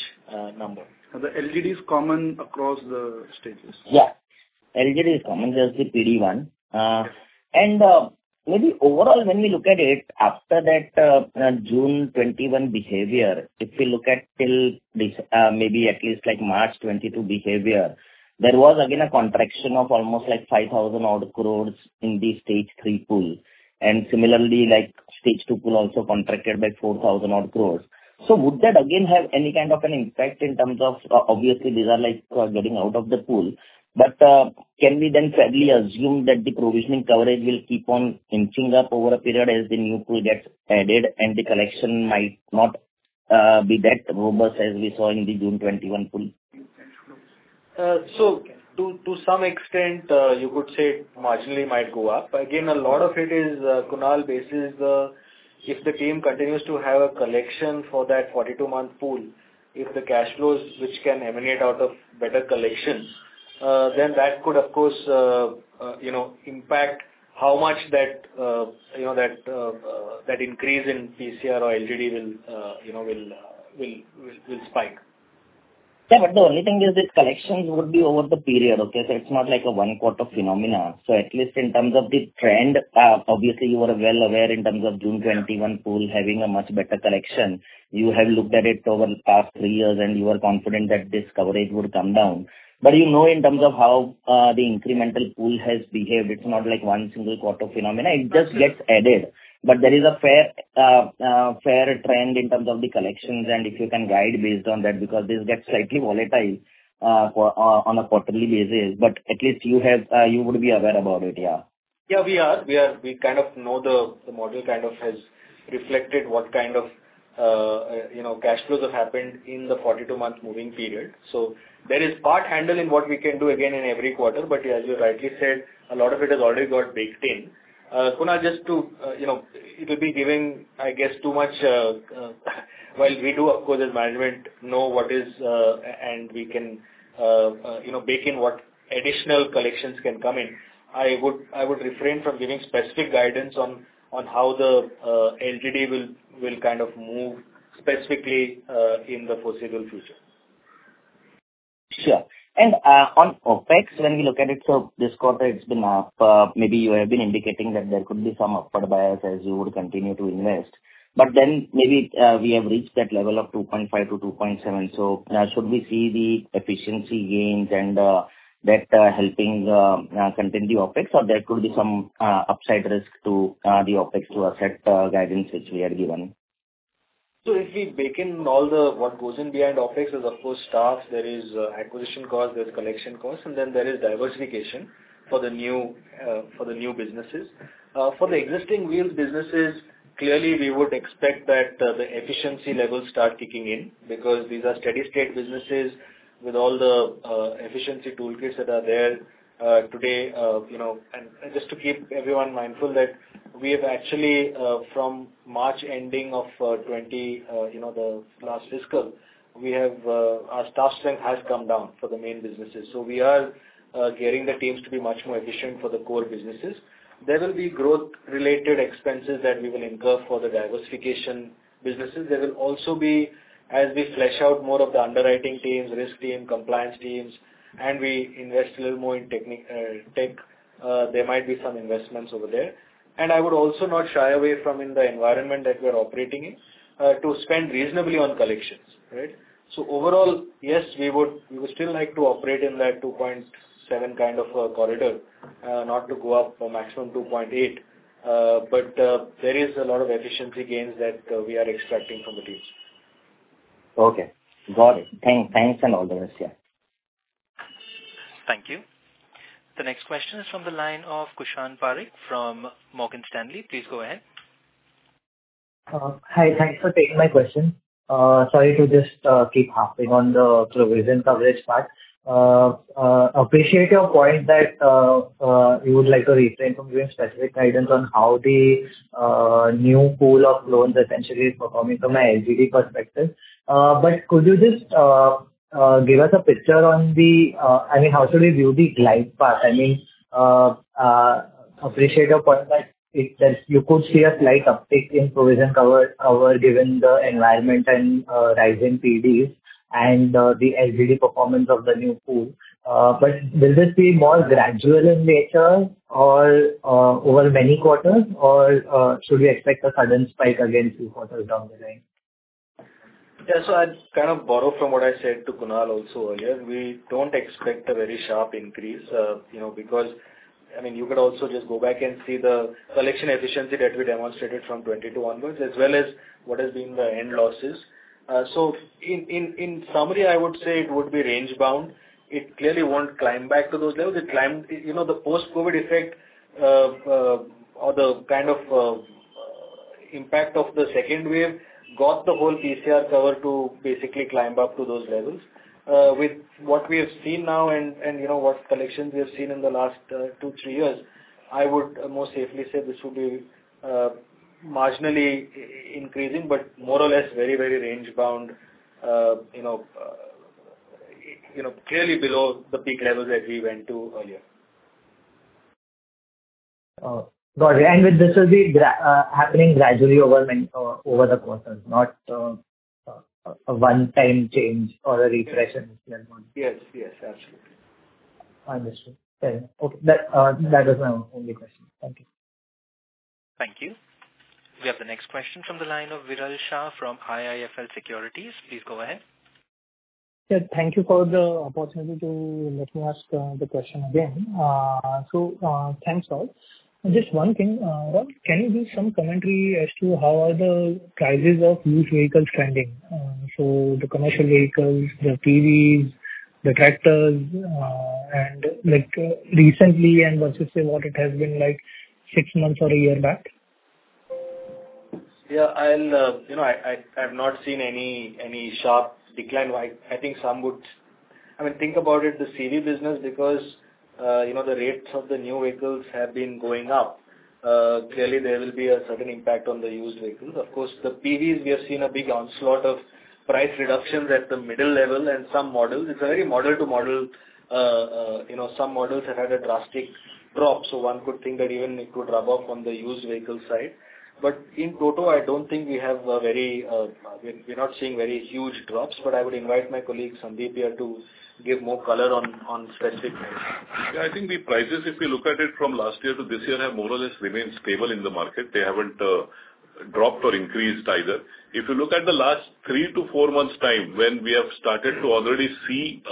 number. The LGD is common across the stages. Yeah. LGD is common as the PD one. And maybe overall, when we look at it, after that June 2021 behavior, if we look at till maybe at least like March 2022 behavior, there was again a contraction of almost like 5,000 odd crores in the stage three pool. And similarly, stage two pool also contracted by 4,000 odd crores. So would that again have any kind of an impact in terms of, obviously, these are getting out of the pool? But can we then fairly assume that the provisioning coverage will keep on inching up over a period as the new pool gets added and the collection might not be that robust as we saw in the June 2021 pool? So to some extent, you could say marginally might go up. Again, a lot of it is contingent basis. If the team continues to have a collection for that 42-month pool, if the cash flows, which can emanate out of better collection, then that could, of course, impact how much that increase in PCR or LGD will spike. Yeah. But the only thing is this collection would be over the period, okay? So it's not like a one-quarter phenomenon. So at least in terms of the trend, obviously, you were well aware in terms of June 2021 pool having a much better collection. You have looked at it over the past three years, and you were confident that this coverage would come down. But in terms of how the incremental pool has behaved, it's not like one single quarter phenomenon. It just gets added. But there is a fair trend in terms of the collections. And if you can guide based on that, because this gets slightly volatile on a quarterly basis, but at least you would be aware about it, yeah. Yeah, we are. We kind of know the model kind of has reflected what kind of cash flows have happened in the 42-month moving period. So there is part handling what we can do again in every quarter. But as you rightly said, a lot of it has already got baked in. Kunal, just to add, it will be giving, I guess, too much while we do, of course, as management, know what it is and we can bake in what additional collections can come in. I would refrain from giving specific guidance on how the LGD will kind of move specifically in the foreseeable future. Sure. On OPEX, when we look at it, so this quarter, it's been up. Maybe you have been indicating that there could be some upward bias as you would continue to invest. Then maybe we have reached that level of 2.5-2.7. Should we see the efficiency gains and that helping contain the OPEX, or there could be some upside risk to the OPEX to accept guidance which we are given? So if we bake in all the what goes in behind OPEX, there's of course staff, there is acquisition cost, there's collection cost, and then there is diversification for the new businesses. For the existing wheels businesses, clearly, we would expect that the efficiency levels start kicking in because these are steady-state businesses with all the efficiency toolkits that are there today. And just to keep everyone mindful that we have actually, from March ending of the last fiscal, our staff strength has come down for the main businesses. So we are getting the teams to be much more efficient for the core businesses. There will be growth-related expenses that we will incur for the diversification businesses. There will also be, as we flesh out more of the underwriting teams, risk team, compliance teams, and we invest a little more in tech, there might be some investments over there. And I would also not shy away from, in the environment that we are operating in, to spend reasonably on collections, right? So overall, yes, we would still like to operate in that 2.7 kind of corridor, not to go up to a maximum 2.8. But there is a lot of efficiency gains that we are extracting from the teams. Okay. Got it. Thanks and all the rest here. Thank you. The next question is from the line of Kushan Parikh from Morgan Stanley. Please go ahead. Hi. Thanks for taking my question. Sorry to just keep harping on the provision coverage part. Appreciate your point that you would like to refrain from giving specific guidance on how the new pool of loans essentially is performing from an LGD perspective. But could you just give us a picture on the, I mean, how should we view the glide path? I mean, appreciate your point that you could see a slight uptick in provision cover given the environment and rising PDs and the LGD performance of the new pool. But will this be more gradual in nature or over many quarters, or should we expect a sudden spike again two quarters down the line? Yeah. So I'd kind of borrow from what I said to Kunal also earlier. We don't expect a very sharp increase because, I mean, you could also just go back and see the collection efficiency that we demonstrated from 22 onwards, as well as what has been the net losses. So in summary, I would say it would be range-bound. It clearly won't climb back to those levels. The post-COVID effect or the kind of impact of the second wave got the whole PCR cover to basically climb up to those levels. With what we have seen now and what collections we have seen in the last two, three years, I would more safely say this would be marginally increasing, but more or less very, very range-bound, clearly below the peak levels that we went to earlier. Got it. And this will be happening gradually over the quarters, not a one-time change or a refresh in this level. Yes. Yes. Absolutely. I understand. Okay. That was my only question. Thank you. Thank you. We have the next question from the line of Viral Shah from IIFL Securities. Please go ahead. Yeah. Thank you for the opportunity to let me ask the question again. So thanks, all. Just one thing. Can you give some commentary as to how are the prices of used vehicles trending? So the commercial vehicles, the PVs, the tractors, and recently, and what you say, what it has been like six months or a year back? Yeah. I have not seen any sharp decline. I think some would, I mean, think about it, the CV business, because the rates of the new vehicles have been going up. Clearly, there will be a certain impact on the used vehicles. Of course, the PVs, we have seen a big onslaught of price reductions at the middle level and some models. It's a very model-to-model. Some models have had a drastic drop. So one could think that even it could rub off on the used vehicle side. But in total, I don't think we have a very. We're not seeing very huge drops, but I would invite my colleague, Sandeep here, to give more color on specific prices. Yeah. I think the prices, if you look at it from last year to this year, have more or less remained stable in the market. They haven't dropped or increased either. If you look at the last three to four months' time when we have started to already see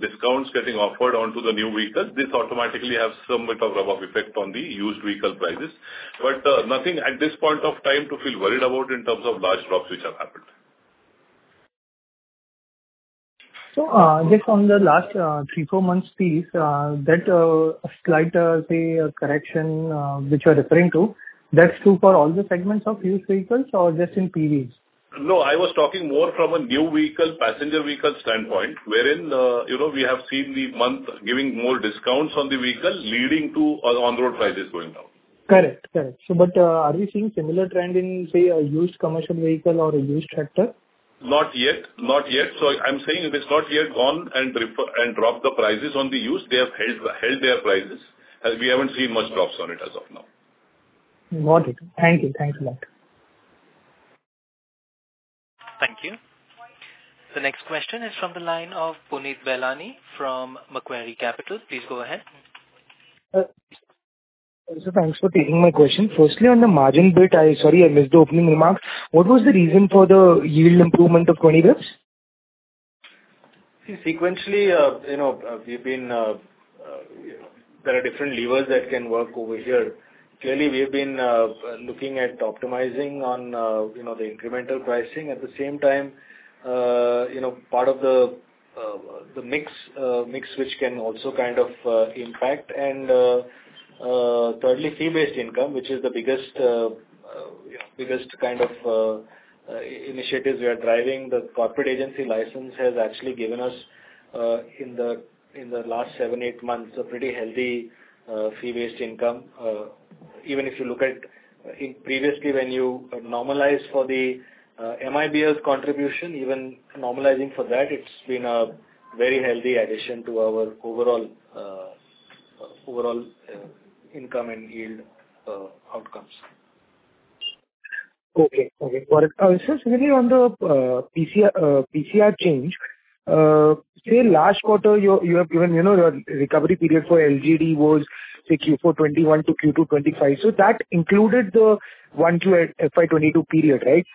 discounts getting offered onto the new vehicles, this automatically has some bit of rub-off effect on the used vehicle prices. But nothing at this point of time to feel worried about in terms of large drops which have happened. So just on the last three, four months piece, that slight, say, correction which you're referring to, that's true for all the segments of used vehicles or just in PVs? No. I was talking more from a new vehicle passenger vehicle standpoint, wherein we have seen the month giving more discounts on the vehicle leading to on-road prices going down. Correct. Correct. But are we seeing similar trend in, say, a used commercial vehicle or a used tractor? Not yet. Not yet. So I'm saying if it's not yet gone and dropped the prices on the used, they have held their prices. We haven't seen much drops on it as of now. Got it. Thank you. Thanks a lot. Thank you. The next question is from the line of Punit Bahlani from Macquarie Capital. Please go ahead. Thanks for taking my question. Firstly, on the margin bit, I - sorry, I missed the opening remarks. What was the reason for the yield improvement of 20 basis points? Sequentially, we've been - there are different levers that can work over here. Clearly, we have been looking at optimizing on the incremental pricing. At the same time, part of the mix which can also kind of impact. And thirdly, fee-based income, which is the biggest kind of initiatives we are driving. The corporate agency license has actually given us, in the last seven, eight months, a pretty healthy fee-based income. Even if you look at previously when you normalize for the MIBL contribution, even normalizing for that, it's been a very healthy addition to our overall income and yield outcomes. Okay. Okay. Got it. I was just really on the PCR change. Say last quarter, you have given your recovery period for LGD was Q4 2021 to Q2 2025. So that included the 1Q FY 2022 period, right?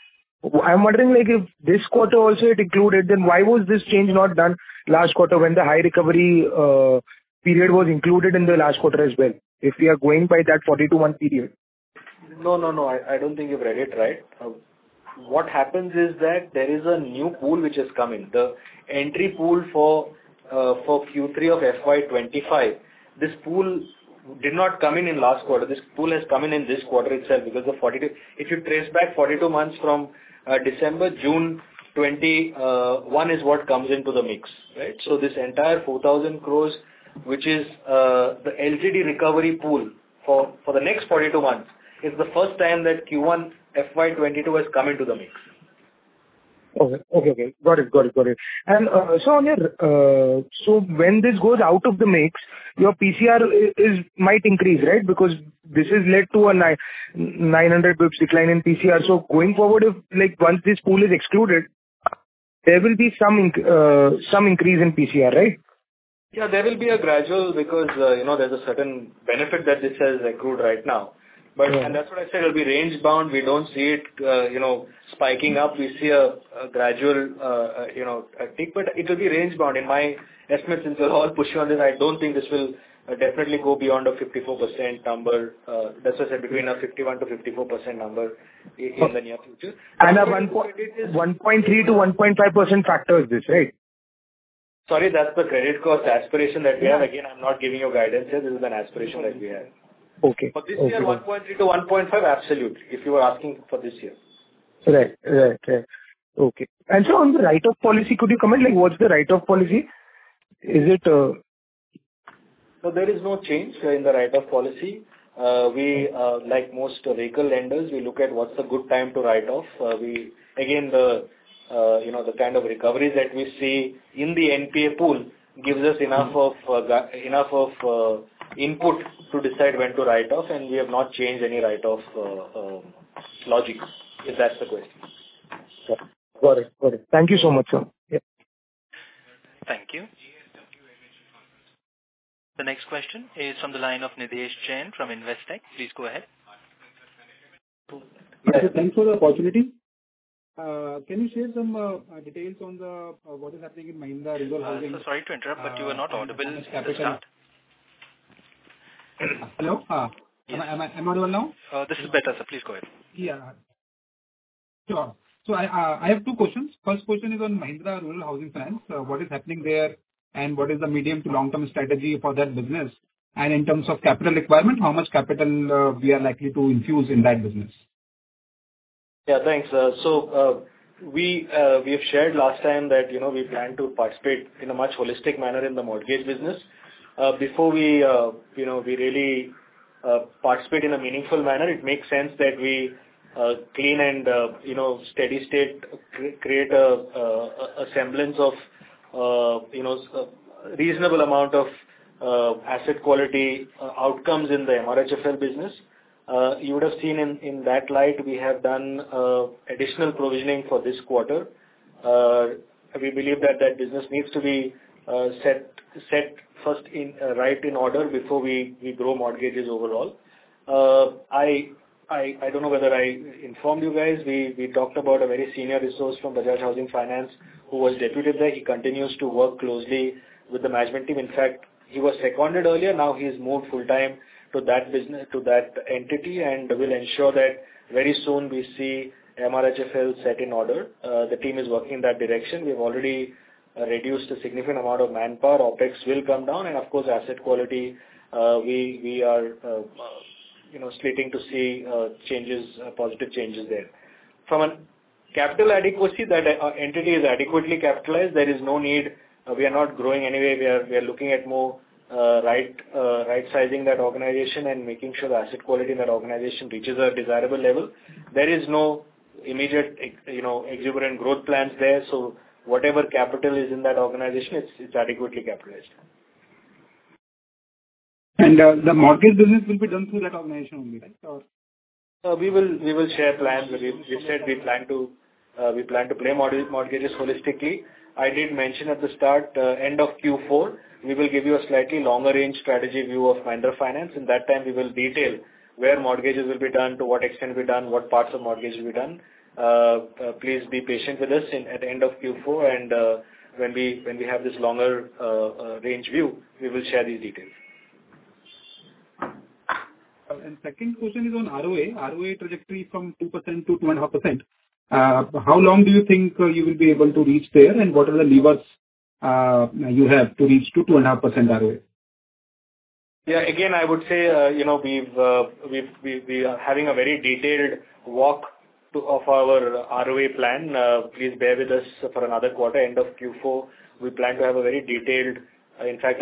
I'm wondering if this quarter also it included, then why was this change not done last quarter when the high recovery period was included in the last quarter as well? If we are going by that 42-month period. No, no, no. I don't think you've read it right. What happens is that there is a new pool which has come in. The entry pool for Q3 of FY 25, this pool did not come in in last quarter. This pool has come in in this quarter itself because of 42. If you trace back 42 months from December, June 2021 is what comes into the mix, right? So this entire 4,000 crores, which is the LGD recovery pool for the next 42 months, is the first time that Q1 FY 22 has come into the mix. Okay. Got it. And so when this goes out of the mix, your PCR might increase, right? Because this has led to a 900 basis points decline in PCR. So going forward, once this pool is excluded, there will be some increase in PCR, right? Yeah. There will be a gradual because there's a certain benefit that this has accrued right now, and that's what I said. It'll be range-bound. We don't see it spiking up. We see a gradual tick, but it will be range-bound. In my estimate, since we're all pushing on this, I don't think this will definitely go beyond a 54% number. That's why I said between a 51%-54% number in the near future, and at one point, it is 1.3%-1.5% factor is this, right? Sorry. That's the credit cost aspiration that we have. Again, I'm not giving you guidance here. This is an aspiration that we have, but this year, 1.3%-1.5%, absolutely, if you were asking for this year. Right. Right. Right. Okay, and so on the write-off policy, could you comment? What's the write-off policy? Is it? So there is no change in the write-off policy. Like most vehicle lenders, we look at what's the good time to write off. Again, the kind of recoveries that we see in the NPA pool gives us enough of input to decide when to write off. And we have not changed any write-off logic, if that's the question. Got it. Got it. Thank you so much, sir. Yeah. Thank you. The next question is from the line of Nitesh Chen from Investec. Please go ahead. Thanks for the opportunity. Can you share some details on what is happening in Mahindra Rural Housing? Sorry to interrupt, but you were not audible. Hello? Am I audible now? This is better, sir. Please go ahead. Yeah. Sure. So I have two questions. First question is on Mahindra Rural Housing plans. What is happening there and what is the medium to long-term strategy for that business? And in terms of capital requirement, how much capital we are likely to infuse in that business? Yeah. Thanks. So we have shared last time that we plan to participate in a much holistic manner in the mortgage business. Before we really participate in a meaningful manner, it makes sense that we clean and steady-state create a semblance of a reasonable amount of asset quality outcomes in the MRHFL business. You would have seen in that light, we have done additional provisioning for this quarter. We believe that that business needs to be set first right in order before we grow mortgages overall. I don't know whether I informed you guys. We talked about a very senior resource from Bajaj Housing Finance who was deputed there. He continues to work closely with the management team. In fact, he was seconded earlier. Now he's moved full-time to that entity and will ensure that very soon we see MRHFL set in order. The team is working in that direction. We have already reduced a significant amount of manpower. OPEX will come down, and of course, asset quality, we are expecting to see changes, positive changes there. From a capital adequacy, that entity is adequately capitalized. There is no need. We are not growing anyway. We are looking at more right-sizing that organization and making sure the asset quality in that organization reaches a desirable level. There is no immediate exuberant growth plans there. So whatever capital is in that organization, it's adequately capitalized. And the mortgage business will be done through that organization only, right? We will share plans. We said we plan to play mortgages holistically. I did mention at the start, end of Q4, we will give you a slightly longer-range strategy view of Mahindra Finance. In that time, we will detail where mortgages will be done, to what extent will be done, what parts of mortgage will be done. Please be patient with us at the end of Q4. And when we have this longer-range view, we will share these details. And second question is on ROA. ROA trajectory from 2% to 2.5%. How long do you think you will be able to reach there? And what are the levers you have to reach to 2.5% ROA? Yeah. Again, I would say we are having a very detailed walk of our ROA plan. Please bear with us for another quarter, end of Q4. We plan to have a very detailed, in fact,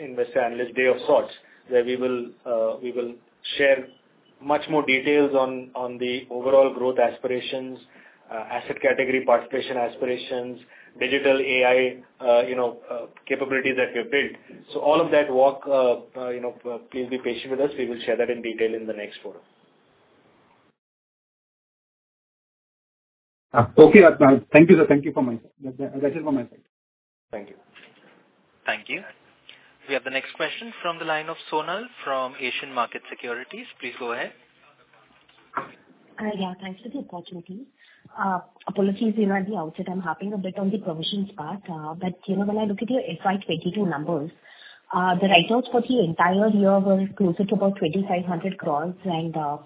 investor analyst day of sorts where we will share much more details on the overall growth aspirations, asset category participation aspirations, digital AI capabilities that we have built. So all of that talk, please be patient with us. We will share that in detail in the next quarter. Okay. Thank you, sir. Thank you from my side. That's it from my side. Thank you. Thank you. We have the next question from the line of Sonal Gandhi from Asian Markets Securities. Please go ahead. Yeah. Thanks for the opportunity. Apologies, you know, at the outset, I'm hopping a bit on the provisions part. But when I look at your FY 2022 numbers, the write-offs for the entire year were closer to about 2,500 crores and a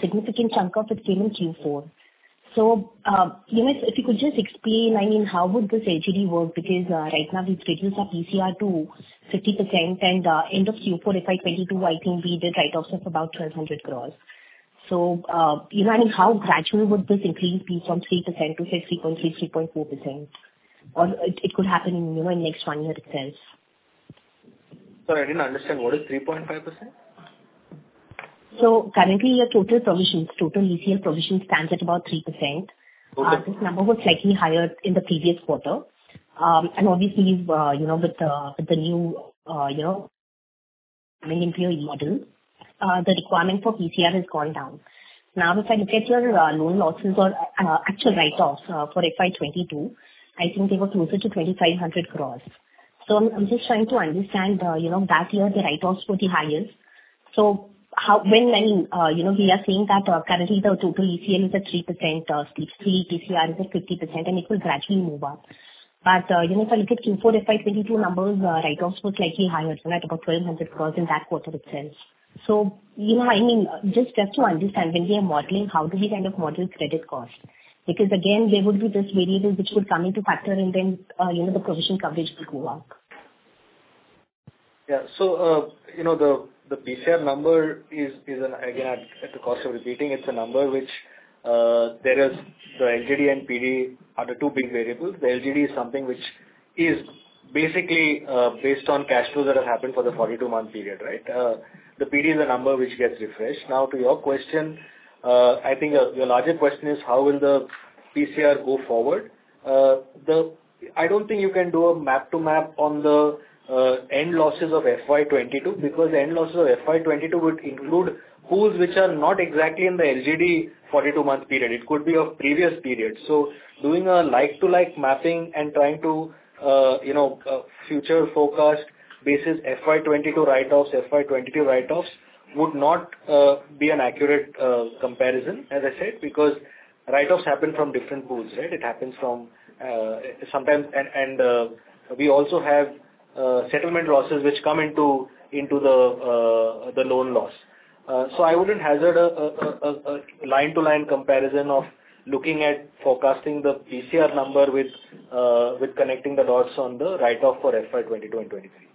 significant chunk of it came in Q4. So if you could just explain, I mean, how would this LGD work? Because right now we've reduced our PCR to 50%. End of Q4, FY 2022, I think we did write-offs of about 1,200 crores. So I mean, how gradual would this increase be from 3% to, say, 3.3, 3.4%? Or it could happen in the next one year itself. Sorry, I didn't understand. What is 3.5%? So currently, your total provisions, total ECL provisions stands at about 3%. This number was slightly higher in the previous quarter. And obviously, with the new ECL model, the requirement for PCR has gone down. Now, if I look at your loan losses or actual write-offs for FY 2022, I think they were closer to 2,500 crores. So I'm just trying to understand that year, the write-offs were the highest. So when, I mean, we are seeing that currently the total ECL is at 3%, Stage 3, PCR is at 50%, and it will gradually move up. But if I look at Q4 FY 2022 numbers, write-offs were slightly higher, at about 1,200 crores in that quarter itself. So I mean, just to understand, when we are modeling, how do we kind of model credit cost? Because again, there would be this variable which would come into factor, and then the provision coverage would go up. Yeah. So the PCR number is, again, at the cost of repeating, it's a number which there is the LGD and PD are the two big variables. The LGD is something which is basically based on cash flows that have happened for the 42-month period, right? The PD is a number which gets refreshed. Now, to your question, I think your larger question is, how will the PCR go forward? I don't think you can do a map-to-map on the end losses of FY 2022 because the end losses of FY 2022 would include pools which are not exactly in the LGD 42-month period. It could be of previous period. So doing a like-to-like mapping and trying to future forecast basis FY 2022 write-offs, FY 2022 write-offs would not be an accurate comparison, as I said, because write-offs happen from different pools, right? It happens from sometimes. And we also have settlement losses which come into the loan loss. So I wouldn't hazard a line-to-line comparison of looking at forecasting the PCR number with connecting the dots on the write-off for FY 2022 and 2023.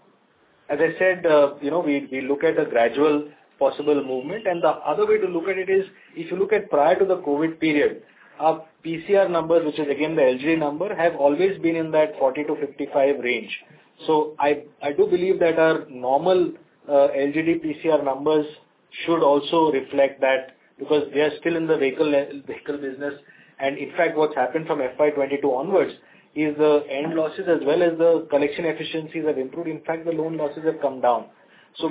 As I said, we look at a gradual possible movement. The other way to look at it is, if you look at prior to the COVID period, our PCR numbers, which is again the LGD number, have always been in that 40-55 range. I do believe that our normal LGD PCR numbers should also reflect that because they are still in the vehicle business. In fact, what's happened from FY 2022 onwards is the end losses as well as the collection efficiencies have improved. In fact, the loan losses have come down.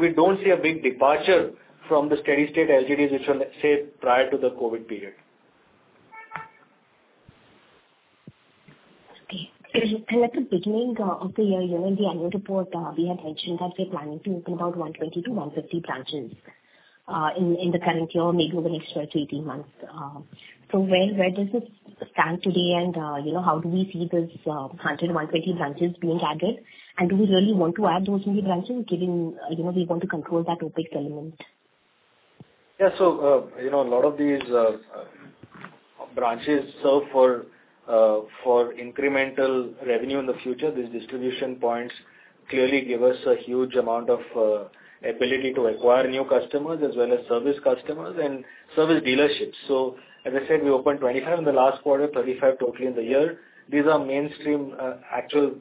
We don't see a big departure from the steady-state LGDs, which were set prior to the COVID period. Okay. At the beginning of the year, in the annual report, we had mentioned that we're planning to open about 120-150 branches in the current year, maybe over the next 12-18 months. So where does this stand today? How do we see this 100-120 branches being added? Do we really want to add those new branches, given we want to control that OpEx element? Yeah. So a lot of these branches serve for incremental revenue in the future. These distribution points clearly give us a huge amount of ability to acquire new customers as well as service customers and service dealerships. So as I said, we opened 25 in the last quarter, 35 totally in the year. These are mainstream actual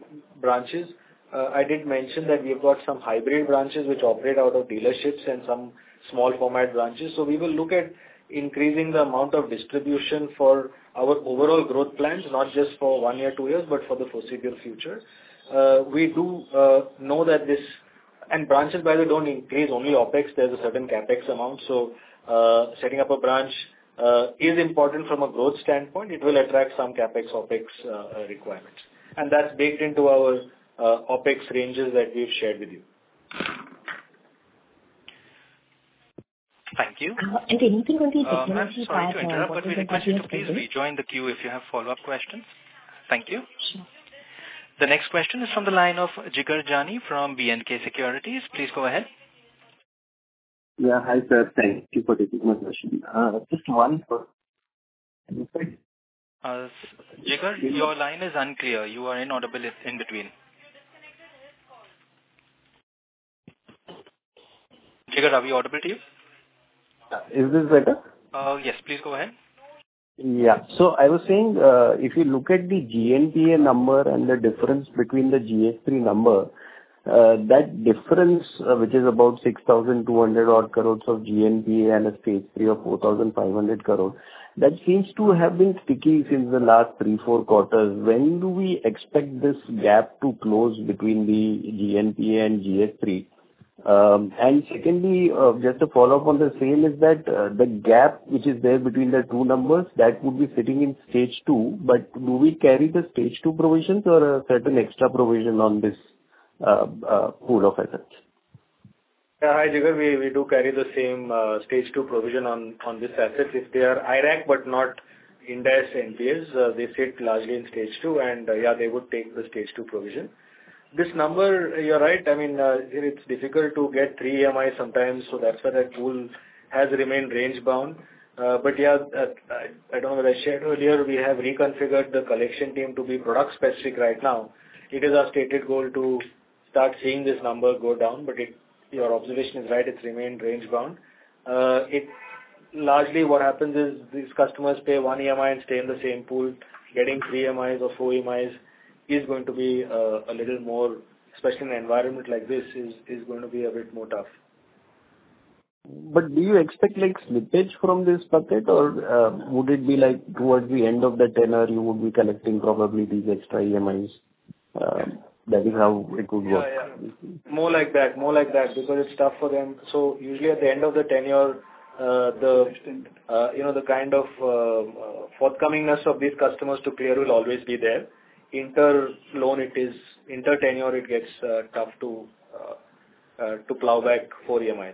branches. I did mention that we have got some hybrid branches which operate out of dealerships and some small-format branches. So we will look at increasing the amount of distribution for our overall growth plans, not just for one year, two years, but for the foreseeable future. We do know that this and branches, by the way, don't increase. Only OpEx. There's a certain CapEx amount, so setting up a branch is important from a growth standpoint. It will attract some CapEx, OpEx requirements, and that's baked into our OpEx ranges that we've shared with you. Thank you. And anything on the technology part? Any questions? Please join the queue if you have follow-up questions. Thank you. The next question is from the line of Jigar Jani from B&K Securities. Please go ahead. Yeah. Hi, sir. Thank you for taking my question. Just one quick. Jigar, your line is unclear. You are inaudible in between. Jigar, are we audible to you? Is this better? Yes. Please go ahead. Yeah. I was saying, if you look at the GNPA number and the difference between the GS3 number, that difference, which is about 6,200 odd crores of GNPA and a stage 3 of 4,500 crores, that seems to have been sticky since the last three, four quarters. When do we expect this gap to close between the GNPA and GS3? And secondly, just to follow up on the same is that the gap which is there between the two numbers, that would be sitting in stage 2. But do we carry the stage 2 provisions or a certain extra provision on this pool of assets? Yeah. Hi, Jigar. We do carry the same stage 2 provision on this asset. If they are IRAC but not NPA's, they sit largely in stage 2. And yeah, they would take the stage 2 provision. This number, you're right. I mean, it's difficult to get three EMIs sometimes. So that's why that pool has remained range-bound. But yeah, I don't know whether I shared earlier, we have reconfigured the collection team to be product-specific right now. It is our stated goal to start seeing this number go down. But your observation is right. It's remained range-bound. Largely, what happens is these customers pay one EMI and stay in the same pool. Getting three EMIs or four EMIs is going to be a little more, especially in an environment like this, is going to be a bit more tough. But do you expect slippage from this bucket? Or would it be like towards the end of the tenure, you would be collecting probably these extra EMIs? That is how it would work. Yeah. Yeah. More like that. More like that because it's tough for them. So usually at the end of the tenure, the kind of forthcomingness of these customers to clear will always be there. Inter-loan, it is inter-tenure, it gets tough to plow back four EMIs.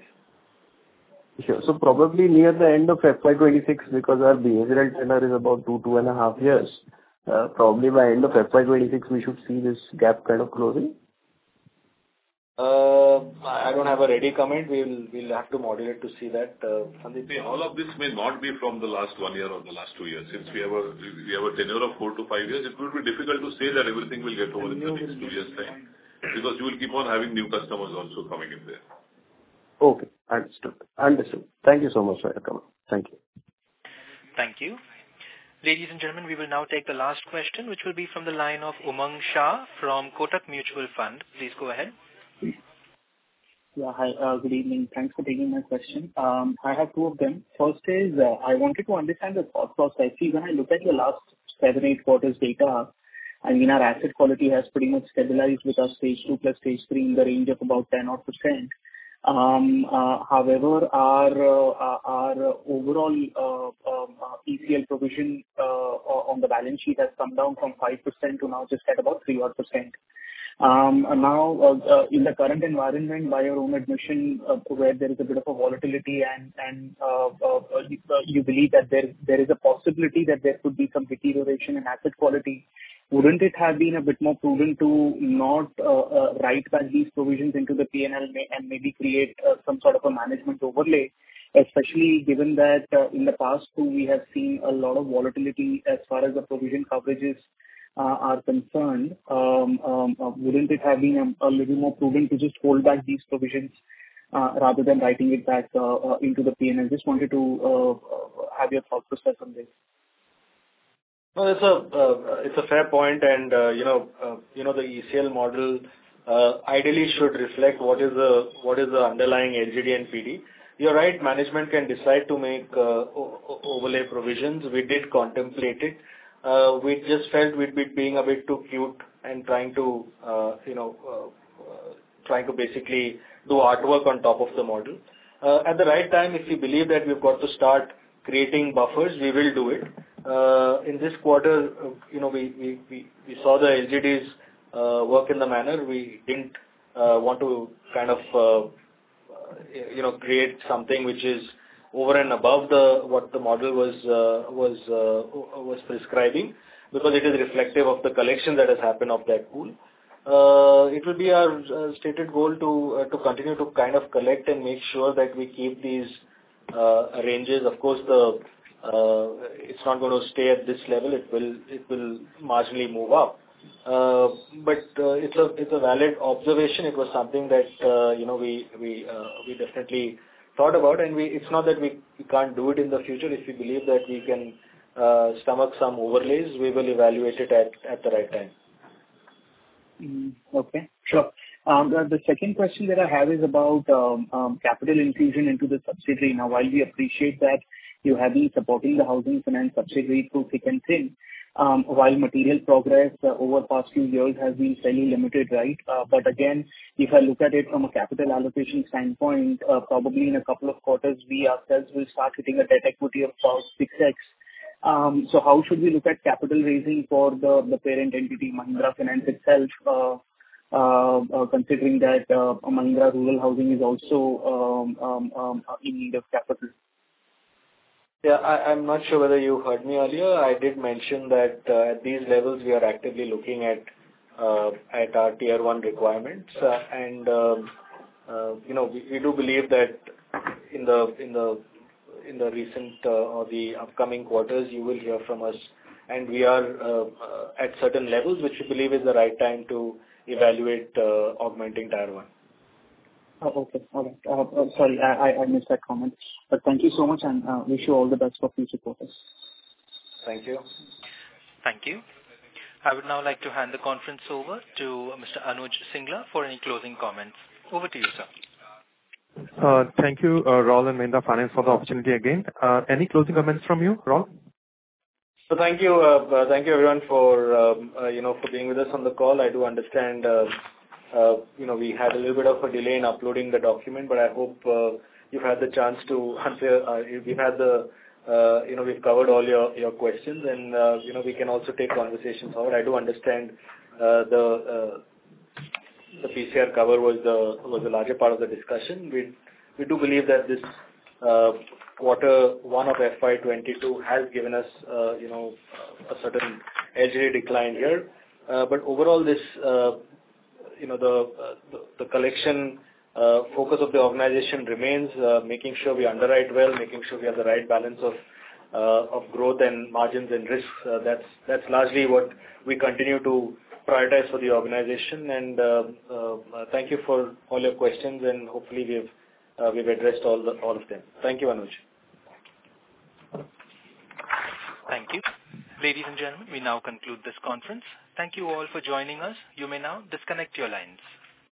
Sure. So probably near the end of FY 2026, because our behavioral tenure is about two, two and a half years, probably by end of FY 2026, we should see this gap kind of closing? I don't have a ready comment. We'll have to modulate to see that. All of this may not be from the last one year or the last two years. Since we have a tenure of four to five years, it will be difficult to say that everything will get over in the next two years, right? Because you will keep on having new customers also coming in there. Okay. Understood. Understood. Thank you so much. Thank you. Thank you. Ladies and gentlemen, we will now take the last question, which will be from the line of Umang Shah from Kotak Mutual Fund. Please go ahead. Yeah. Hi. Good evening. Thanks for taking my question. I have two of them. First is, I wanted to understand the cost. I see when I look at your last seven, eight quarters data, I mean, our asset quality has pretty much stabilized with our stage 2 plus stage 3 in the range of about 10% odd. However, our overall ECL provision on the balance sheet has come down from 5% to now just at about 3% odd. Now, in the current environment, by your own admission, where there is a bit of a volatility and you believe that there is a possibility that there could be some deterioration in asset quality, wouldn't it have been a bit more prudent to not write back these provisions into the P&L and maybe create some sort of a management overlay, especially given that in the past, we have seen a lot of volatility as far as the provision coverages are concerned? Wouldn't it have been a little more prudent to just hold back these provisions rather than writing it back into the P&L? Just wanted to have your thoughts to share on this. Well, it's a fair point. And the ECL model ideally should reflect what is the underlying LGD and PD. You're right. Management can decide to make overlay provisions. We did contemplate it. We just felt we'd be being a bit too cute and trying to basically do artwork on top of the model. At the right time, if we believe that we've got to start creating buffers, we will do it. In this quarter, we saw the LGDs work in the manner. We didn't want to kind of create something which is over and above what the model was prescribing because it is reflective of the collection that has happened of that pool. It will be our stated goal to continue to kind of collect and make sure that we keep these ranges. Of course, it's not going to stay at this level. It will marginally move up. But it's a valid observation. It was something that we definitely thought about. And it's not that we can't do it in the future. If we believe that we can stomach some overlays, we will evaluate it at the right time. Okay. Sure. The second question that I have is about capital infusion into the subsidiary. Now, while we appreciate that you have been supporting the housing finance subsidiary through thick and thin, while material progress over the past few years has been fairly limited, right? But again, if I look at it from a capital allocation standpoint, probably in a couple of quarters, we ourselves will start hitting a debt equity of about 6x. So how should we look at capital raising for the parent entity, Mahindra Finance itself, considering that Mahindra Rural Housing is also in need of capital? Yeah. I'm not sure whether you heard me earlier. I did mention that at these levels, we are actively looking at our Tier 1 requirements. And we do believe that in the recent or the upcoming quarters, you will hear from us. And we are at certain levels, which we believe is the right time to evaluate augmenting tier one. Oh, okay. All right. Sorry, I missed that comment. But thank you so much. And I wish you all the best for future quarters. Thank you. Thank you. I would now like to hand the conference over to Mr. Anuj Singla for any closing comments. Over to you, sir. Thank you, Raul and Mahindra Finance, for the opportunity again. Any closing comments from you, Raul? So thank you. Thank you, everyone, for being with us on the call. I do understand we had a little bit of a delay in uploading the document, but I hope you've had the chance to answer. We've covered all your questions, and we can also take conversations on it. I do understand the PCR cover was the larger part of the discussion. We do believe that this quarter one of FY 22 has given us a certain LGD decline here. But overall, the collection focus of the organization remains making sure we underwrite well, making sure we have the right balance of growth and margins and risks. That's largely what we continue to prioritize for the organization. And thank you for all your questions. And hopefully, we've addressed all of them. Thank you, Anuj. Thank you. Ladies and gentlemen, we now conclude this conference. Thank you all for joining us. You may now disconnect your lines.